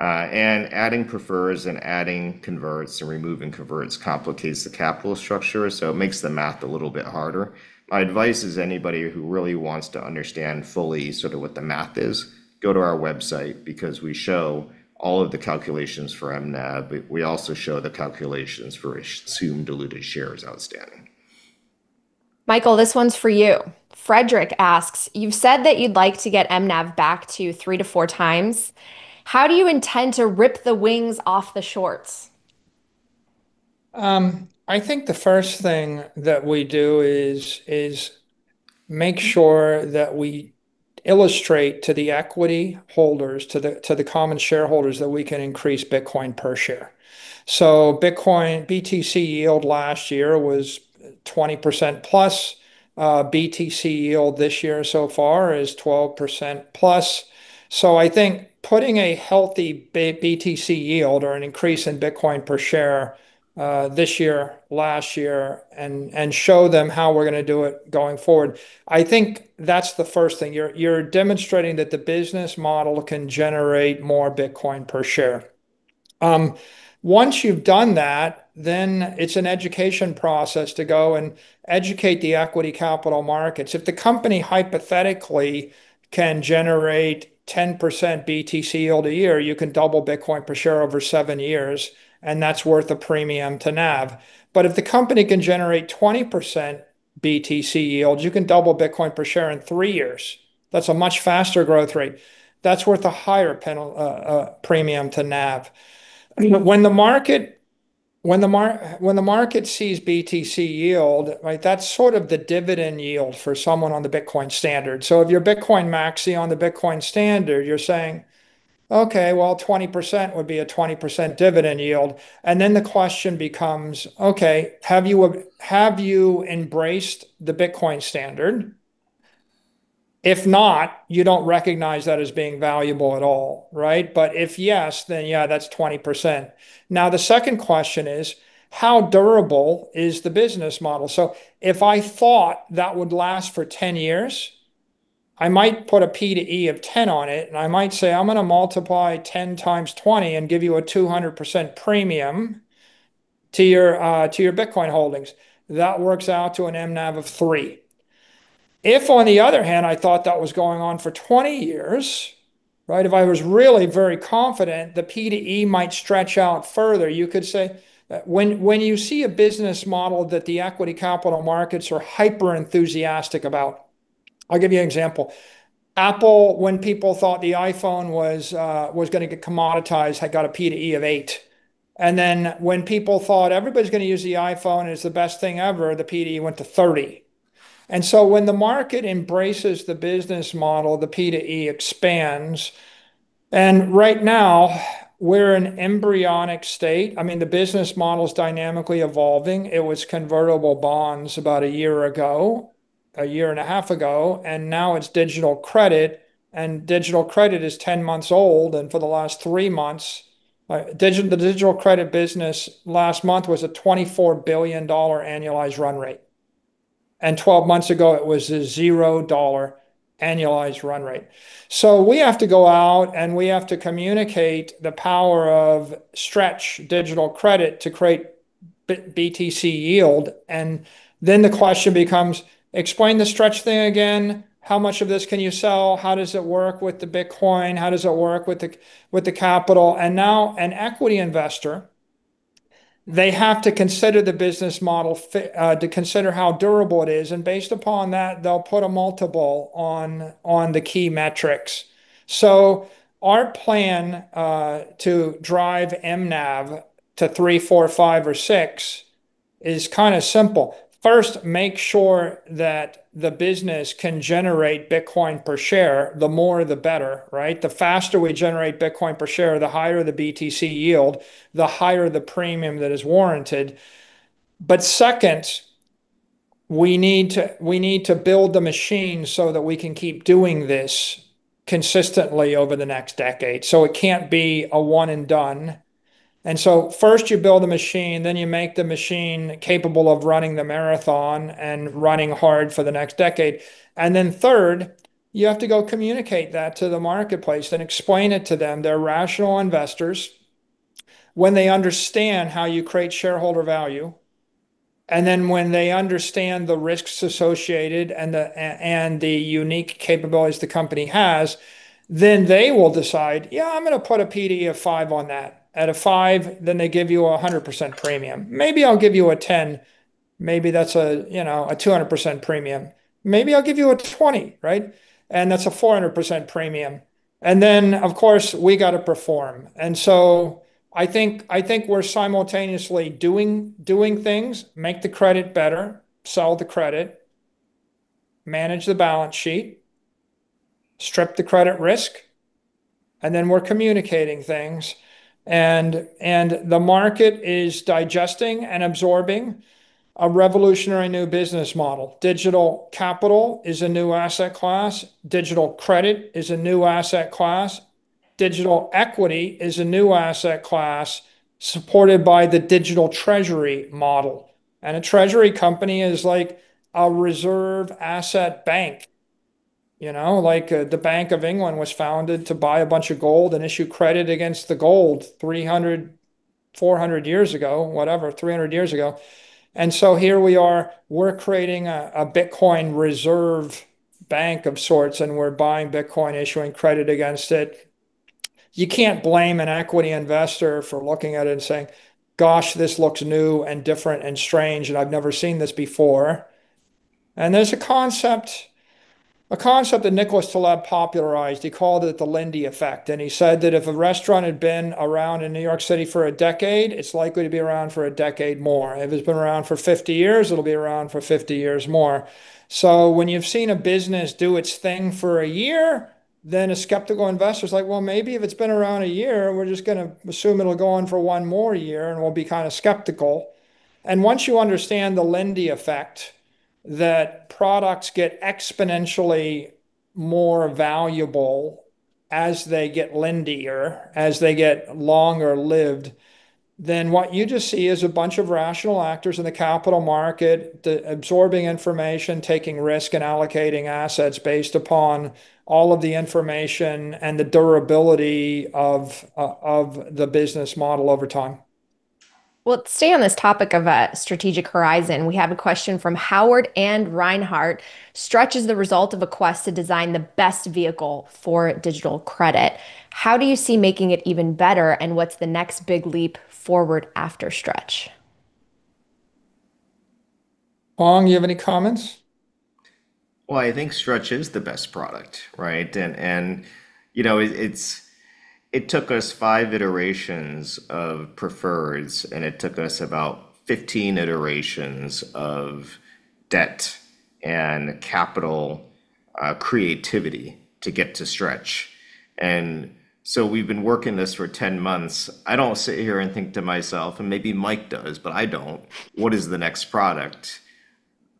Adding prefers and adding converts and removing converts complicates the capital structure, so it makes the math a little bit harder. My advice is anybody who really wants to understand fully sort of what the math is, go to our website because we show all of the calculations for mNAV, but we also show the calculations for assumed diluted shares outstanding. Michael, this one's for you. Frederick asks, you've said that you'd like to get mNAV back to three to four times. How do you intend to rip the wings off the shorts? I think the first thing that we do is make sure that we illustrate to the equity holders, to the common shareholders, that we can increase Bitcoin per share. Bitcoin BTC yield last year was 20%+. BTC yield this year so far is 12%+. I think putting a healthy BTC yield or an increase in Bitcoin per share, this year, last year, and show them how we're going to do it going forward, I think that's the first thing. You're demonstrating that the business model can generate more Bitcoin per share. Once you've done that, it's an education process to go and educate the equity capital markets. If the company hypothetically can generate 10% BTC yield a year, you can double Bitcoin per share over seven years, and that's worth a premium to NAV. If the company can generate 20% BTC yield, you can double Bitcoin per share in three years. That's a much faster growth rate. That's worth a higher premium to NAV. When the market sees BTC yield, that's sort of the dividend yield for someone on the Bitcoin standard. If you're Bitcoin maxi on the Bitcoin standard, you're saying, "Okay, well, 20% would be a 20% dividend yield." The question becomes, okay, have you embraced the Bitcoin standard? If not, you don't recognize that as being valuable at all. Right? If yes, then yeah, that's 20%. The second question is, how durable is the business model? If I thought that would last for 10 years, I might put a P/E of 10 on it, and I might say, "I'm going to multiply 10 times 20 and give you a 200% premium to your Bitcoin holdings." That works out to an mNAV of 3. If, on the other hand, I thought that was going on for 20 years, if I was really very confident, the P/E might stretch out further. You could say when you see a business model that the equity capital markets are hyper enthusiastic about. I'll give you an example. Apple, when people thought the iPhone was going to get commoditized, had got a P/E of 8. When people thought everybody's going to use the iPhone, and it's the best thing ever, the P/E went to 30. When the market embraces the business model, the P/E expands. Right now, we're an embryonic state. The business model's dynamically evolving. It was convertible bonds about a year ago, a year and a half ago. Now it's digital credit. Digital credit is 10 months old. For the last three months, the digital credit business last month was a $24 billion annualized run rate. 12 months ago, it was a $0 annualized run rate. We have to go out and we have to communicate the power of Stretch digital credit to create BTC yield. The question becomes, explain the Stretch thing again. How much of this can you sell? How does it work with the Bitcoin? How does it work with the capital? Now an equity investor, they have to consider the business model fit to consider how durable it is. Based upon that, they'll put a multiple on the key metrics. Our plan to drive mNAV to 3, 4, 5, or 6 is kind of simple. First, make sure that the business can generate Bitcoin per share, the more the better, right? The faster we generate Bitcoin per share, the higher the BTC yield, the higher the premium that is warranted. Second, we need to build the machine so that we can keep doing this consistently over the next decade. It can't be a one and done. First you build a machine, then you make the machine capable of running the marathon and running hard for the next decade. Then third, you have to go communicate that to the marketplace and explain it to them. They're rational investors. When they understand how you create shareholder value, then when they understand the risks associated and the unique capabilities the company has, then they will decide, "Yeah, I'm going to put a P/E of 5 on that." At a 5, then they give you a 100% premium. Maybe I'll give you a 10, maybe that's a 200% premium. Maybe I'll give you a 20, right? That's a 400% premium. Then, of course, we got to perform. I think we're simultaneously doing things, make the credit better, sell the credit, manage the balance sheet, strip the credit risk, then we're communicating things, and the market is digesting and absorbing a revolutionary new business model. Digital capital is a new asset class. Digital credit is a new asset class. Digital equity is a new asset class supported by the digital treasury model. A treasury company is like a reserve asset bank. Like the Bank of England was founded to buy a bunch of gold and issue credit against the gold 300, 400 years ago, whatever, 300 years ago. Here we are, we're creating a Bitcoin reserve bank of sorts, and we're buying Bitcoin, issuing credit against it. You can't blame an equity investor for looking at it and saying, "Gosh, this looks new and different and strange, and I've never seen this before." There's a concept that Nicholas Taleb popularized. He called it the Lindy Effect, and he said that if a restaurant had been around in New York City for a decade, it's likely to be around for a decade more. If it's been around for 50 years, it'll be around for 50 years more. When you've seen a business do its thing for a year, then a skeptical investor's like, "Well, maybe if it's been around a year, we're just going to assume it'll go on for one more year, and we'll be kind of skeptical." Once you understand the Lindy Effect, that products get exponentially more valuable as they get Lindier, as they get longer lived, then what you just see is a bunch of rational actors in the capital market, absorbing information, taking risk, and allocating assets based upon all of the information and the durability of the business model over time. Let's stay on this topic of a strategic horizon. We have a question from Howard and Reinhardt. Stretch is the result of a quest to design the best vehicle for digital credit. How do you see making it even better, and what's the next big leap forward after Stretch? Phong, you have any comments? Well, I think Stretch is the best product, right? It took us five iterations of preferreds, and it took us about 15 iterations of debt and capital creativity to get to Stretch. We've been working this for 10 months. I don't sit here and think to myself, and maybe Mike does, but I don't, what is the next product?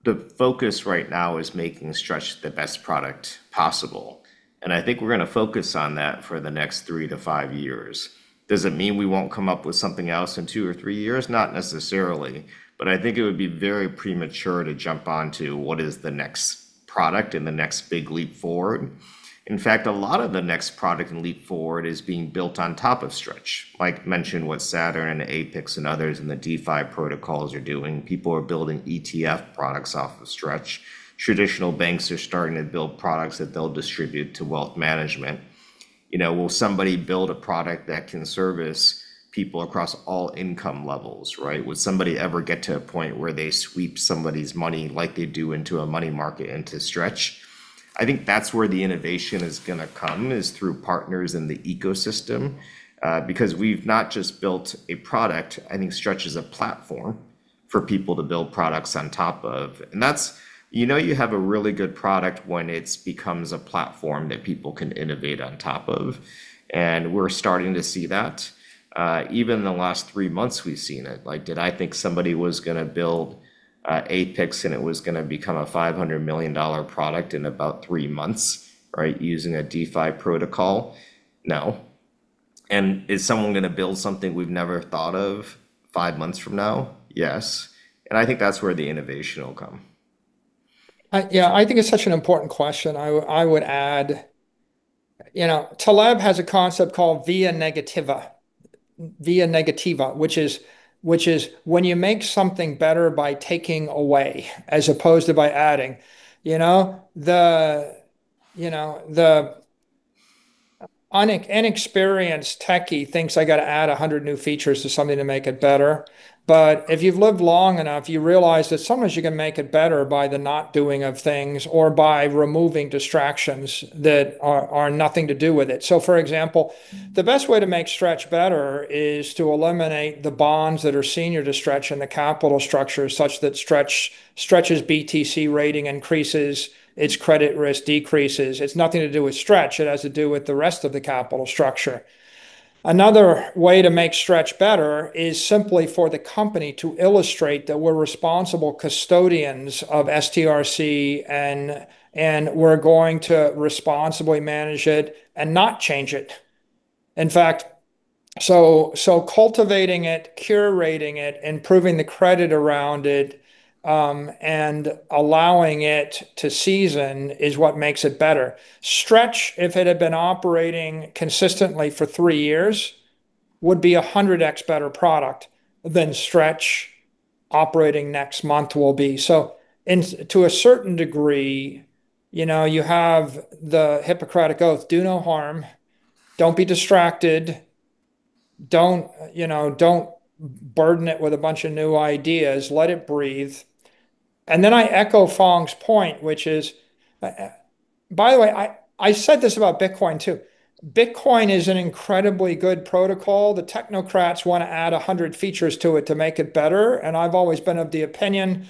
The focus right now is making Stretch the best product possible, and I think we're going to focus on that for the next three to five years. Does it mean we won't come up with something else in two or three years? Not necessarily, I think it would be very premature to jump onto what is the next product and the next big leap forward. In fact, a lot of the next product and leap forward is being built on top of Stretch. Mike mentioned what Saturn, Apex, and others in the DeFi protocols are doing. People are building ETF products off of Stretch. Traditional banks are starting to build products that they'll distribute to wealth management. Will somebody build a product that can service people across all income levels, right? Would somebody ever get to a point where they sweep somebody's money like they do into a money market into Stretch? I think that's where the innovation is going to come, is through partners in the ecosystem. Because we've not just built a product, I think Stretch is a platform for people to build products on top of. You know you have a really good product when it becomes a platform that people can innovate on top of. We're starting to see that. Even in the last three months we've seen it. Did I think somebody was going to build Apex and it was going to become a $500 million product in about three months? Right. Using a DeFi protocol? No. Is someone going to build something we've never thought of five months from now? Yes. I think that's where the innovation will come. Yeah. I think it's such an important question. I would add Taleb has a concept called via negativa, which is when you make something better by taking away as opposed to by adding. The inexperienced techie thinks I've got to add 100 new features to something to make it better. If you've lived long enough, you realize that sometimes you can make it better by the not doing of things or by removing distractions that are nothing to do with it. For example, the best way to make Stretch better is to eliminate the bonds that are senior to Stretch and the capital structure such that Stretch's BTC rating increases, its credit risk decreases. It's nothing to do with Stretch. It has to do with the rest of the capital structure. Another way to make Stretch better is simply for the company to illustrate that we're responsible custodians of STRC and we're going to responsibly manage it and not change it. In fact, cultivating it, curating it, and proving the credit around it, and allowing it to season is what makes it better. Stretch, if it had been operating consistently for three years, would be 100x better product than Stretch operating next month will be. In to a certain degree, you have the Hippocratic oath, do no harm, don't be distracted, don't burden it with a bunch of new ideas, let it breathe. I echo Phong's point, which is By the way, I said this about Bitcoin, too. Bitcoin is an incredibly good protocol. The technocrats want to add 100 features to it to make it better, and I've always been of the opinion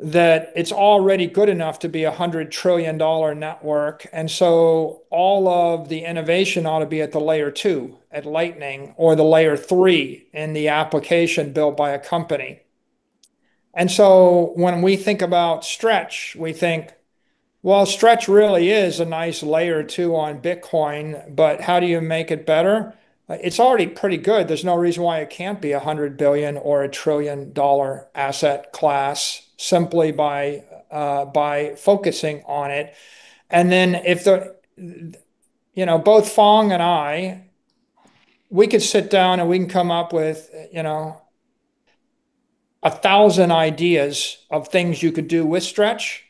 that it's already good enough to be a $100 trillion network. All of the innovation ought to be at the layer 2 at Lightning, or the layer 3 in the application built by a company. When we think about Stretch, we think, well, Stretch really is a nice layer 2 on Bitcoin, but how do you make it better? It's already pretty good. There's no reason why it can't be $100 billion or a trillion-dollar asset class simply by focusing on it. Both Phong and I, we could sit down and we can come up with 1,000 ideas of things you could do with Stretch.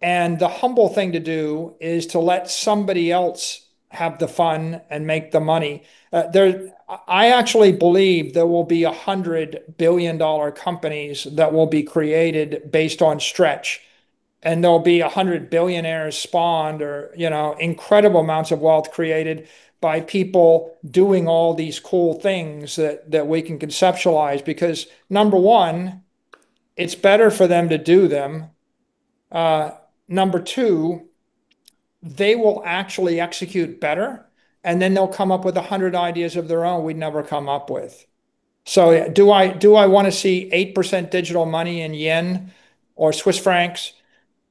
The humble thing to do is to let somebody else have the fun and make the money. I actually believe there will be $100 billion companies that will be created based on Stretch. There'll be 100 billionaires spawned or incredible amounts of wealth created by people doing all these cool things that we can conceptualize. Number one, it's better for them to do them. Number two, they will actually execute better, they'll come up with 100 ideas of their own we'd never come up with. Do I want to see 8% digital money in yen or Swiss francs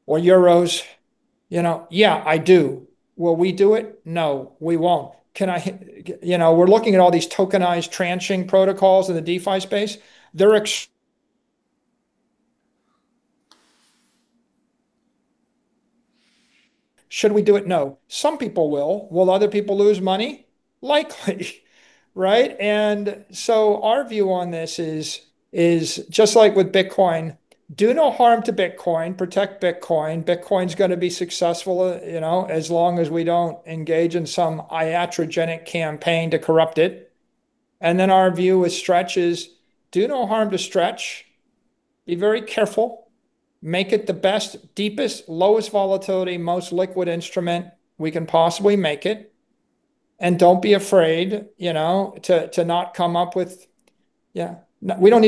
or euros? Yeah, I do. Will we do it? No, we won't. We're looking at all these tokenized tranching protocols in the DeFi space. Should we do it? No. Some people will. Will other people lose money? Likely. Right? Our view on this is just like with Bitcoin, do no harm to Bitcoin. Protect Bitcoin. Bitcoin's going to be successful as long as we don't engage in some iatrogenic campaign to corrupt it. Then our view with Stretch is do no harm to Stretch. Be very careful. Make it the best, deepest, lowest volatility, most liquid instrument we can possibly make it. Don't be afraid We don't need to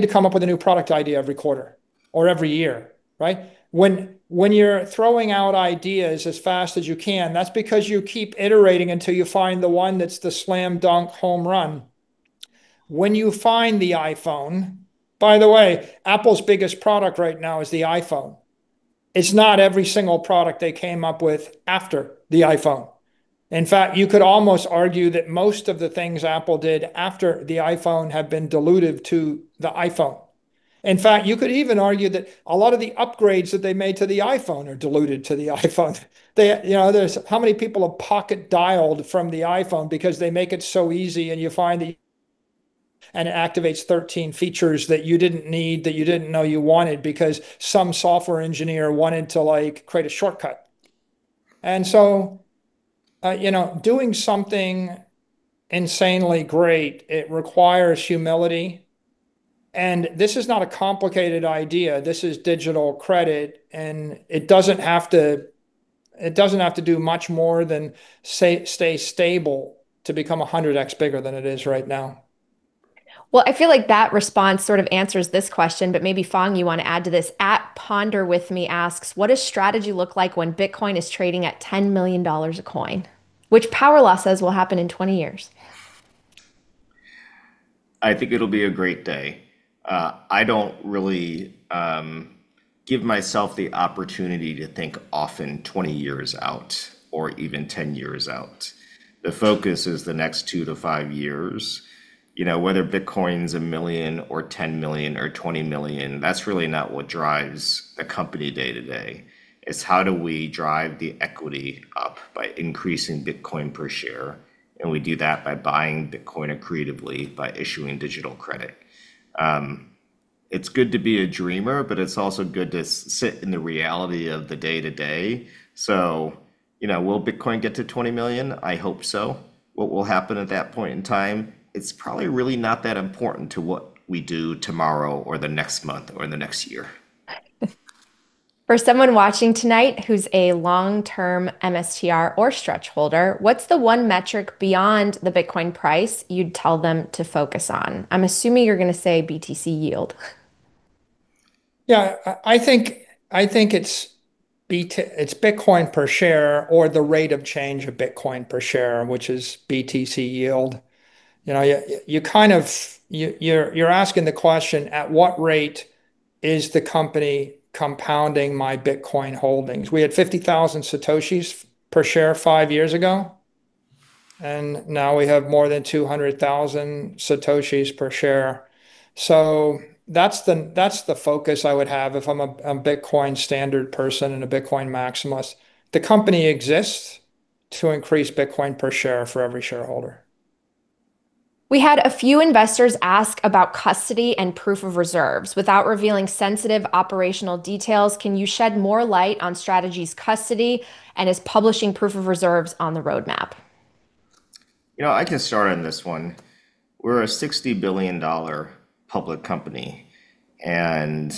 come up with a new product idea every quarter or every year, right? When you're throwing out ideas as fast as you can, that's because you keep iterating until you find the one that's the slam dunk home run. When you find the iPhone By the way, Apple's biggest product right now is the iPhone. It's not every single product they came up with after the iPhone. In fact, you could almost argue that most of the things Apple did after the iPhone have been diluted to the iPhone. In fact, you could even argue that a lot of the upgrades that they made to the iPhone are diluted to the iPhone. How many people have pocket-dialed from the iPhone because they make it so easy and you find that it activates 13 features that you didn't need, that you didn't know you wanted because some software engineer wanted to create a shortcut. Doing something insanely great, it requires humility. This is not a complicated idea. This is digital credit, and it doesn't have to do much more than stay stable to become 100x bigger than it is right now. Well, I feel like that response sort of answers this question, but maybe Phong, you want to add to this. @PonderWithMe asks, "What does Strategy look like when Bitcoin is trading at $10 million a coin?" Which Power Law says will happen in 20 years. I think it'll be a great day. I don't really give myself the opportunity to think often 20 years out or even 10 years out. The focus is the next two to five years. Whether Bitcoin's $1 million or $10 million or $20 million, that's really not what drives the company day to day. It's how do we drive the equity up by increasing Bitcoin per share, and we do that by buying Bitcoin accretively, by issuing digital credit. It's good to be a dreamer, but it's also good to sit in the reality of the day to day. Will Bitcoin get to $20 million? I hope so. What will happen at that point in time? It's probably really not that important to what we do tomorrow or the next month or the next year. For someone watching tonight who's a long-term MSTR or Stretch holder, what's the one metric beyond the Bitcoin price you'd tell them to focus on? I'm assuming you're going to say BTC yield. I think it's Bitcoin per share or the rate of change of Bitcoin per share, which is BTC yield. You're asking the question, at what rate is the company compounding my Bitcoin holdings? We had 50,000 satoshis per share five years ago. Now we have more than 200,000 satoshis per share. That's the focus I would have if I'm a Bitcoin standard person and a Bitcoin maximalist. The company exists to increase Bitcoin per share for every shareholder. We had a few investors ask about custody and proof of reserves. Without revealing sensitive operational details, can you shed more light on Strategy's custody, and is publishing proof of reserves on the roadmap? I can start on this one. We're a $60 billion public company, and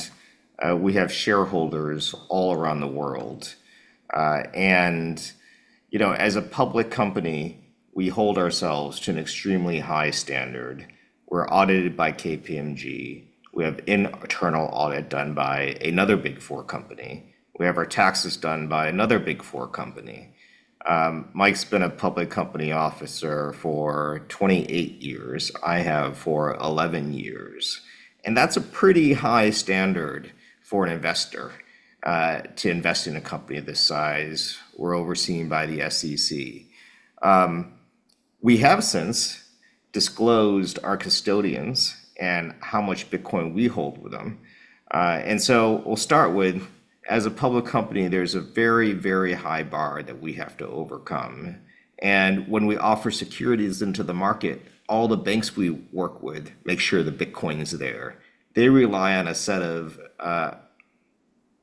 we have shareholders all around the world. As a public company, we hold ourselves to an extremely high standard. We're audited by KPMG. We have internal audit done by another Big Four company. We have our taxes done by another Big Four company. Mike's been a public company officer for 28 years. I have for 11 years. That's a pretty high standard for an investor, to invest in a company of this size. We're overseen by the SEC. We have since disclosed our custodians and how much Bitcoin we hold with them. So we'll start with, as a public company, there's a very, very high bar that we have to overcome. When we offer securities into the market, all the banks we work with make sure the Bitcoin is there. They rely on a set of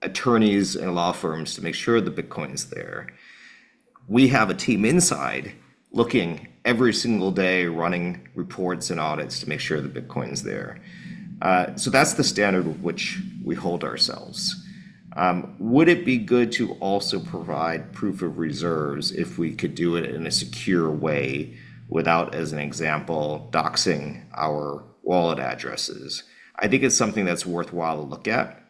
attorneys and law firms to make sure the Bitcoin is there. We have a team inside looking every single day, running reports and audits to make sure the Bitcoin is there. That's the standard with which we hold ourselves. Would it be good to also provide proof of reserves if we could do it in a secure way without, as an example, doxing our wallet addresses? I think it's something that's worthwhile to look at.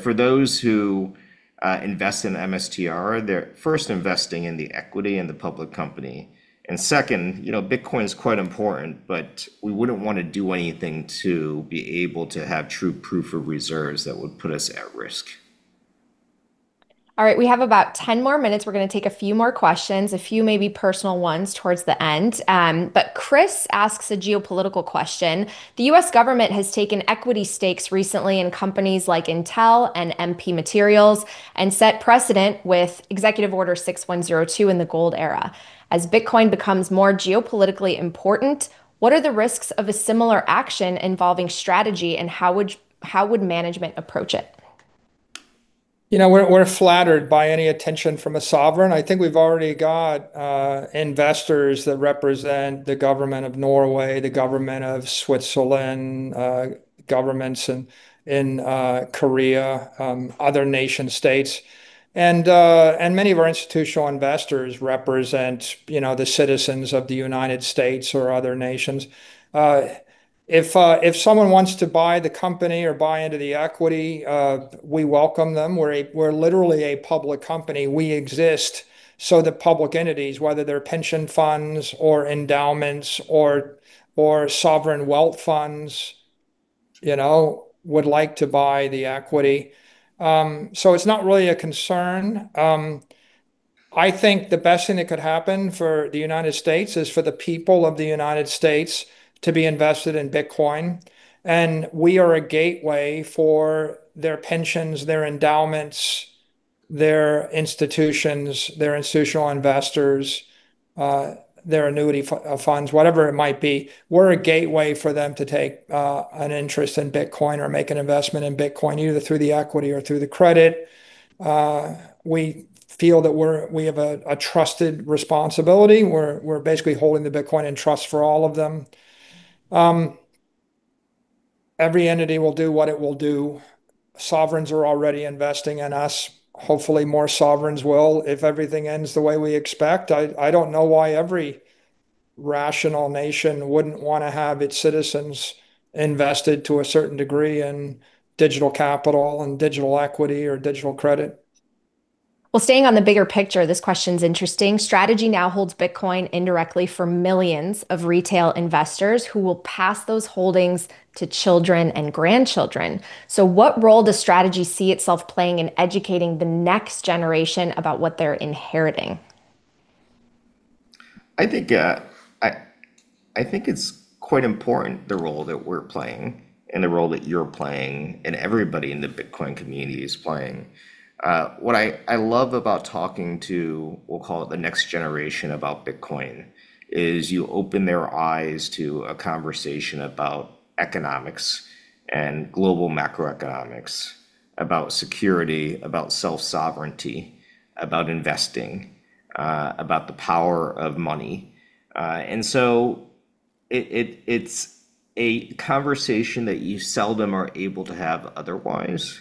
For those who invest in MSTR, they're first investing in the equity in the public company, and second, Bitcoin's quite important, but we wouldn't want to do anything to be able to have true proof of reserves that would put us at risk. All right. We have about 10 more minutes. We're going to take a few more questions, a few maybe personal ones towards the end. Chris asks a geopolitical question. The U.S. government has taken equity stakes recently in companies like Intel and MP Materials and set precedent with Executive Order 6102 in the gold era. As Bitcoin becomes more geopolitically important, what are the risks of a similar action involving Strategy, and how would management approach it? We're flattered by any attention from a sovereign. I think we've already got investors that represent the government of Norway, the government of Switzerland, governments in Korea, other nation-states. Many of our institutional investors represent the citizens of the United States or other nations. If someone wants to buy the company or buy into the equity, we welcome them. We're literally a public company. We exist so that public entities, whether they're pension funds or endowments or sovereign wealth funds would like to buy the equity. It's not really a concern. I think the best thing that could happen for the United States is for the people of the United States to be invested in Bitcoin, and we are a gateway for their pensions, their endowments, their institutions, their institutional investors, their annuity funds, whatever it might be. We're a gateway for them to take an interest in Bitcoin or make an investment in Bitcoin, either through the equity or through the credit. We feel that we have a trusted responsibility. We're basically holding the Bitcoin in trust for all of them. Every entity will do what it will do. Sovereigns are already investing in us. Hopefully more sovereigns will, if everything ends the way we expect. I don't know why every rational nation wouldn't want to have its citizens invested to a certain degree in digital capital and digital equity or digital credit. Well, staying on the bigger picture, this question's interesting. Strategy now holds Bitcoin indirectly for millions of retail investors who will pass those holdings to children and grandchildren. What role does Strategy see itself playing in educating the next generation about what they're inheriting? I think it's quite important the role that we're playing and the role that you're playing, and everybody in the Bitcoin community is playing. What I love about talking to, we'll call it the next generation, about Bitcoin, is you open their eyes to a conversation about economics and global macroeconomics, about security, about self-sovereignty, about investing, about the power of money. It's a conversation that you seldom are able to have otherwise,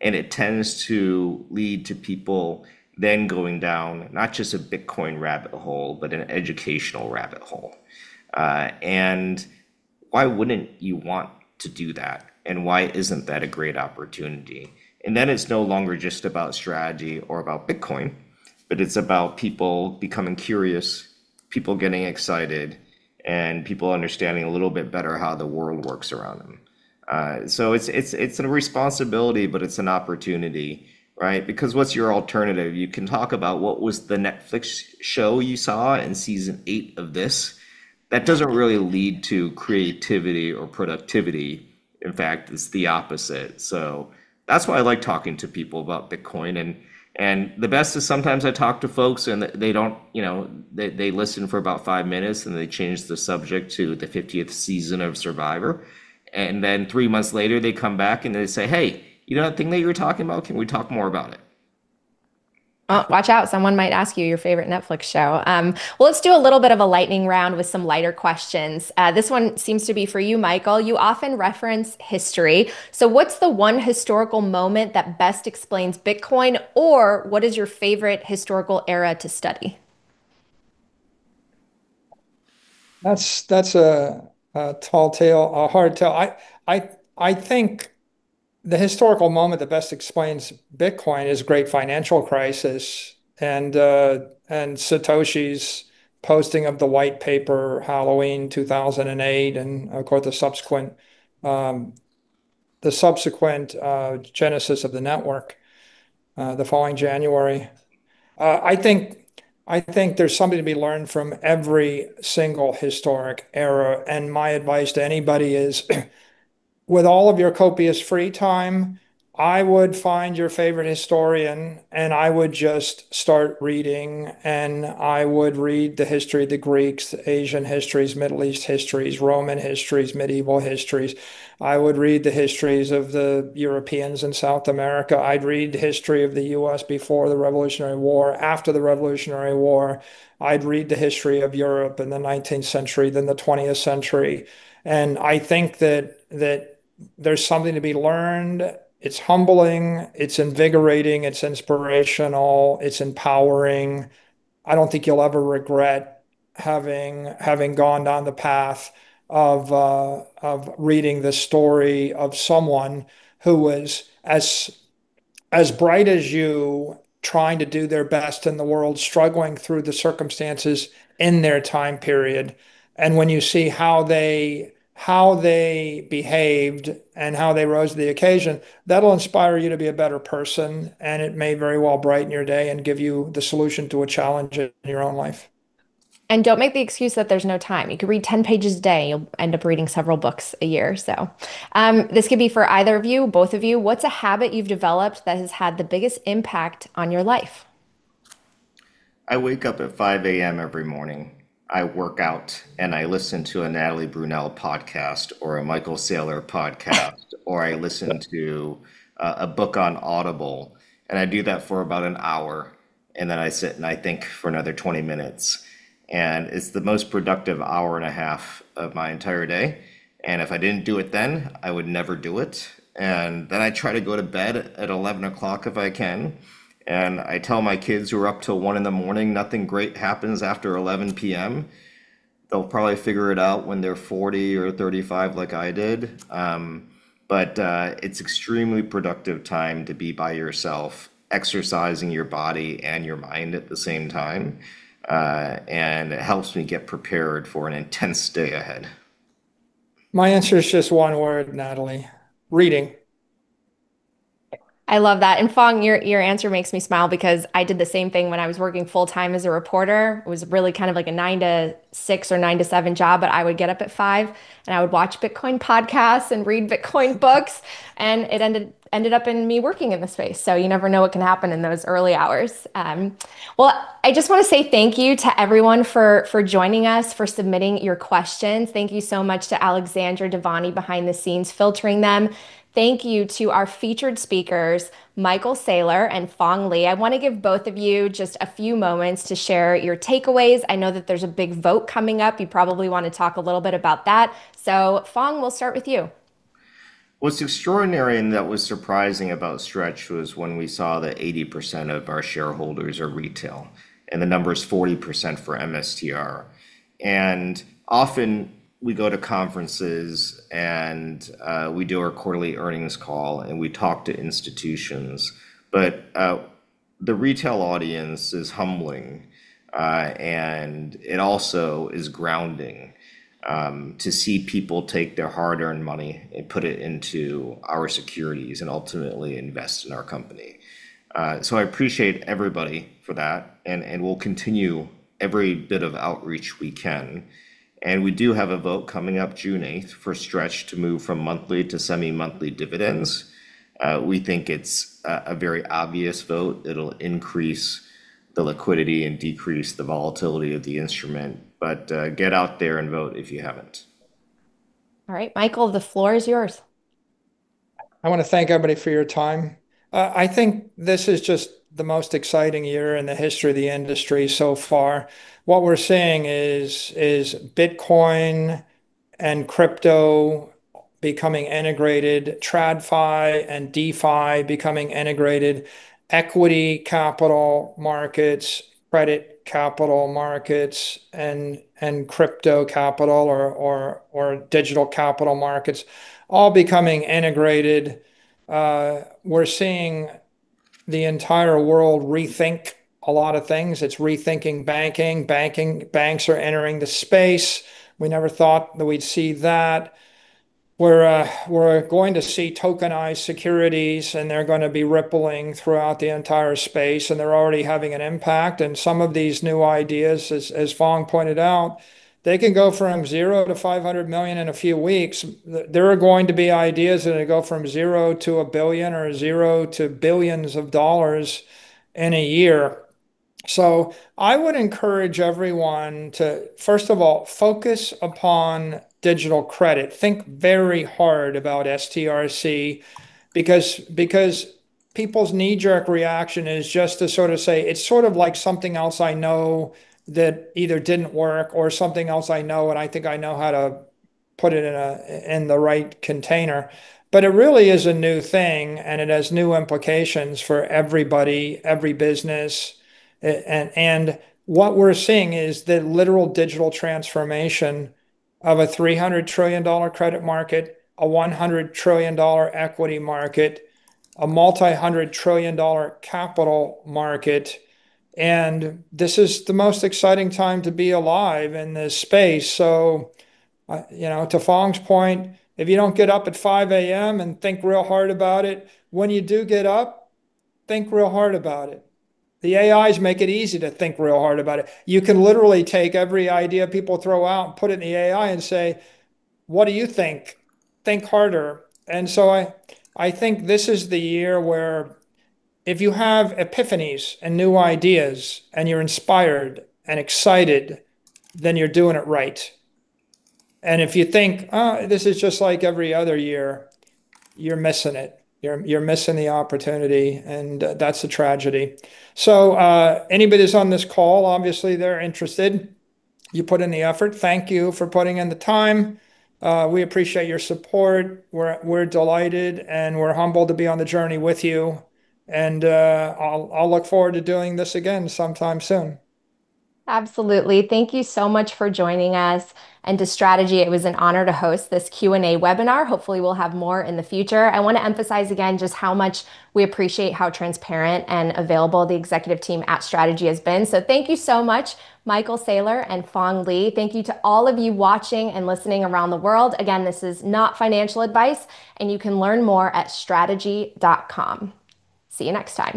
and it tends to lead to people then going down, not just a Bitcoin rabbit hole, but an educational rabbit hole. Why wouldn't you want to do that? Why isn't that a great opportunity? It's no longer just about Strategy or about Bitcoin, but it's about people becoming curious, people getting excited, and people understanding a little bit better how the world works around them. It's a responsibility, but it's an opportunity, right? Because what's your alternative? You can talk about what was the Netflix show you saw in season 8 of this. That doesn't really lead to creativity or productivity. In fact, it's the opposite. That's why I like talking to people about Bitcoin. The best is sometimes I talk to folks, and they listen for about five minutes, and they change the subject to the 50th season of "Survivor." Then three months later, they come back, and they say, "Hey, you know that thing that you were talking about? Can we talk more about it? Oh, watch out, someone might ask you your favorite Netflix show. Well, let's do a little bit of a lightning round with some lighter questions. This one seems to be for you, Michael. You often reference history. What's the one historical moment that best explains Bitcoin, or what is your favorite historical era to study? That's a hard tell. I think the historical moment that best explains Bitcoin is great financial crisis and Satoshi's posting of the white paper Halloween 2008, and of course, the subsequent genesis of the network the following January. I think there's something to be learned from every single historic era. My advice to anybody is with all of your copious free time, I would find your favorite historian, and I would just start reading, and I would read the history of the Greeks, Asian histories, Middle East histories, Roman histories, medieval histories. I would read the histories of the Europeans in South America. I'd read the history of the U.S. before the Revolutionary War, after the Revolutionary War. I'd read the history of Europe in the 19th century, then the 20th century. I think that there's something to be learned. It's humbling. It's invigorating. It's inspirational. It's empowering. I don't think you'll ever regret having gone down the path of reading the story of someone who was as bright as you, trying to do their best in the world, struggling through the circumstances in their time period. When you see how they behaved and how they rose to the occasion, that'll inspire you to be a better person, and it may very well brighten your day and give you the solution to a challenge in your own life. Don't make the excuse that there's no time. You could read 10 pages a day. You'll end up reading several books a year. This could be for either of you, both of you. What's a habit you've developed that has had the biggest impact on your life? I wake up at 5:00 A.M. every morning. I work out, and I listen to a Natalie Brunell podcast or a Michael Saylor podcast, or I listen to a book on Audible, and I do that for about an hour, and then I sit and I think for another 20 minutes, and it's the most productive hour and a half of my entire day. If I didn't do it then, I would never do it. I try to go to bed at 11:00 P.M. if I can. I tell my kids who are up till 1:00 A.M., nothing great happens after 11:00 P.M. They'll probably figure it out when they're 40 or 35, like I did. It's extremely productive time to be by yourself, exercising your body and your mind at the same time. It helps me get prepared for an intense day ahead. My answer is just one word, Natalie. Reading. I love that. Phong, your answer makes me smile because I did the same thing when I was working full-time as a reporter. It was really kind of like a 9:00 A.M. to 6:00 P.M. or 9:00 A.M. to 7:00 P.M. job, I would get up at 5:00 A.M., and I would watch Bitcoin podcasts and read Bitcoin books, and it ended up in me working in the space. You never know what can happen in those early hours. Well, I just want to say thank you to everyone for joining us, for submitting your questions. Thank you so much to Alexandra Devani behind the scenes filtering them. Thank you to our featured speakers, Michael Saylor and Phong Le. I want to give both of you just a few moments to share your takeaways. I know that there's a big vote coming up. You probably want to talk a little bit about that. Phong, we'll start with you. What's extraordinary and that was surprising about Stretch was when we saw that 80% of our shareholders are retail, and the number is 40% for MSTR. Often we go to conferences and we do our quarterly earnings call, and we talk to institutions, but the retail audience is humbling. It also is grounding to see people take their hard-earned money and put it into our securities and ultimately invest in our company. I appreciate everybody for that, and we'll continue every bit of outreach we can. We do have a vote coming up June 8th for Stretch to move from monthly to semi-monthly dividends. We think it's a very obvious vote. It'll increase the liquidity and decrease the volatility of the instrument. Get out there and vote if you haven't. All right. Michael, the floor is yours. I want to thank everybody for your time. I think this is just the most exciting year in the history of the industry so far. What we're seeing is Bitcoin and crypto becoming integrated, TradFi and DeFi becoming integrated. Equity capital markets, credit capital markets, and crypto capital or digital capital markets all becoming integrated. We're seeing the entire world rethink a lot of things. It's rethinking banking. Banks are entering the space. We never thought that we'd see that. We're going to see tokenized securities, and they're going to be rippling throughout the entire space, and they're already having an impact, and some of these new ideas, as Phong pointed out, they can go from $0 to $500 million in a few weeks. There are going to be ideas that go from $0 to $1 billion or zero to billions of dollars in a year. I would encourage everyone to, first of all, focus upon digital credit. Think very hard about STRC because people's knee-jerk reaction is just to sort of say, "It's sort of like something else I know that either didn't work or something else I know, and I think I know how to put it in the right container." It really is a new thing, and it has new implications for everybody, every business. What we're seeing is the literal digital transformation of a $300 trillion credit market, a $100 trillion equity market, a multi-hundred trillion dollar capital market, and this is the most exciting time to be alive in this space. To Phong's point, if you don't get up at 5:00 A.M. and think real hard about it, when you do get up, think real hard about it. The AIs make it easy to think real hard about it. You can literally take every idea people throw out and put it in the AI and say, "What do you think? Think harder." I think this is the year where if you have epiphanies and new ideas and you're inspired and excited, then you're doing it right. If you think, "Eh, this is just like every other year," you're missing it. You're missing the opportunity, and that's a tragedy. Anybody that's on this call, obviously they're interested. You put in the effort. Thank you for putting in the time. We appreciate your support. We're delighted, and we're humbled to be on the journey with you. I'll look forward to doing this again sometime soon. Absolutely. Thank you so much for joining us. To Strategy, it was an honor to host this Q&A webinar. Hopefully, we'll have more in the future. I want to emphasize again just how much we appreciate how transparent and available the executive team at Strategy has been. Thank you so much, Michael Saylor and Phong Le. Thank you to all of you watching and listening around the world. Again, this is not financial advice, and you can learn more at strategy.com. See you next time.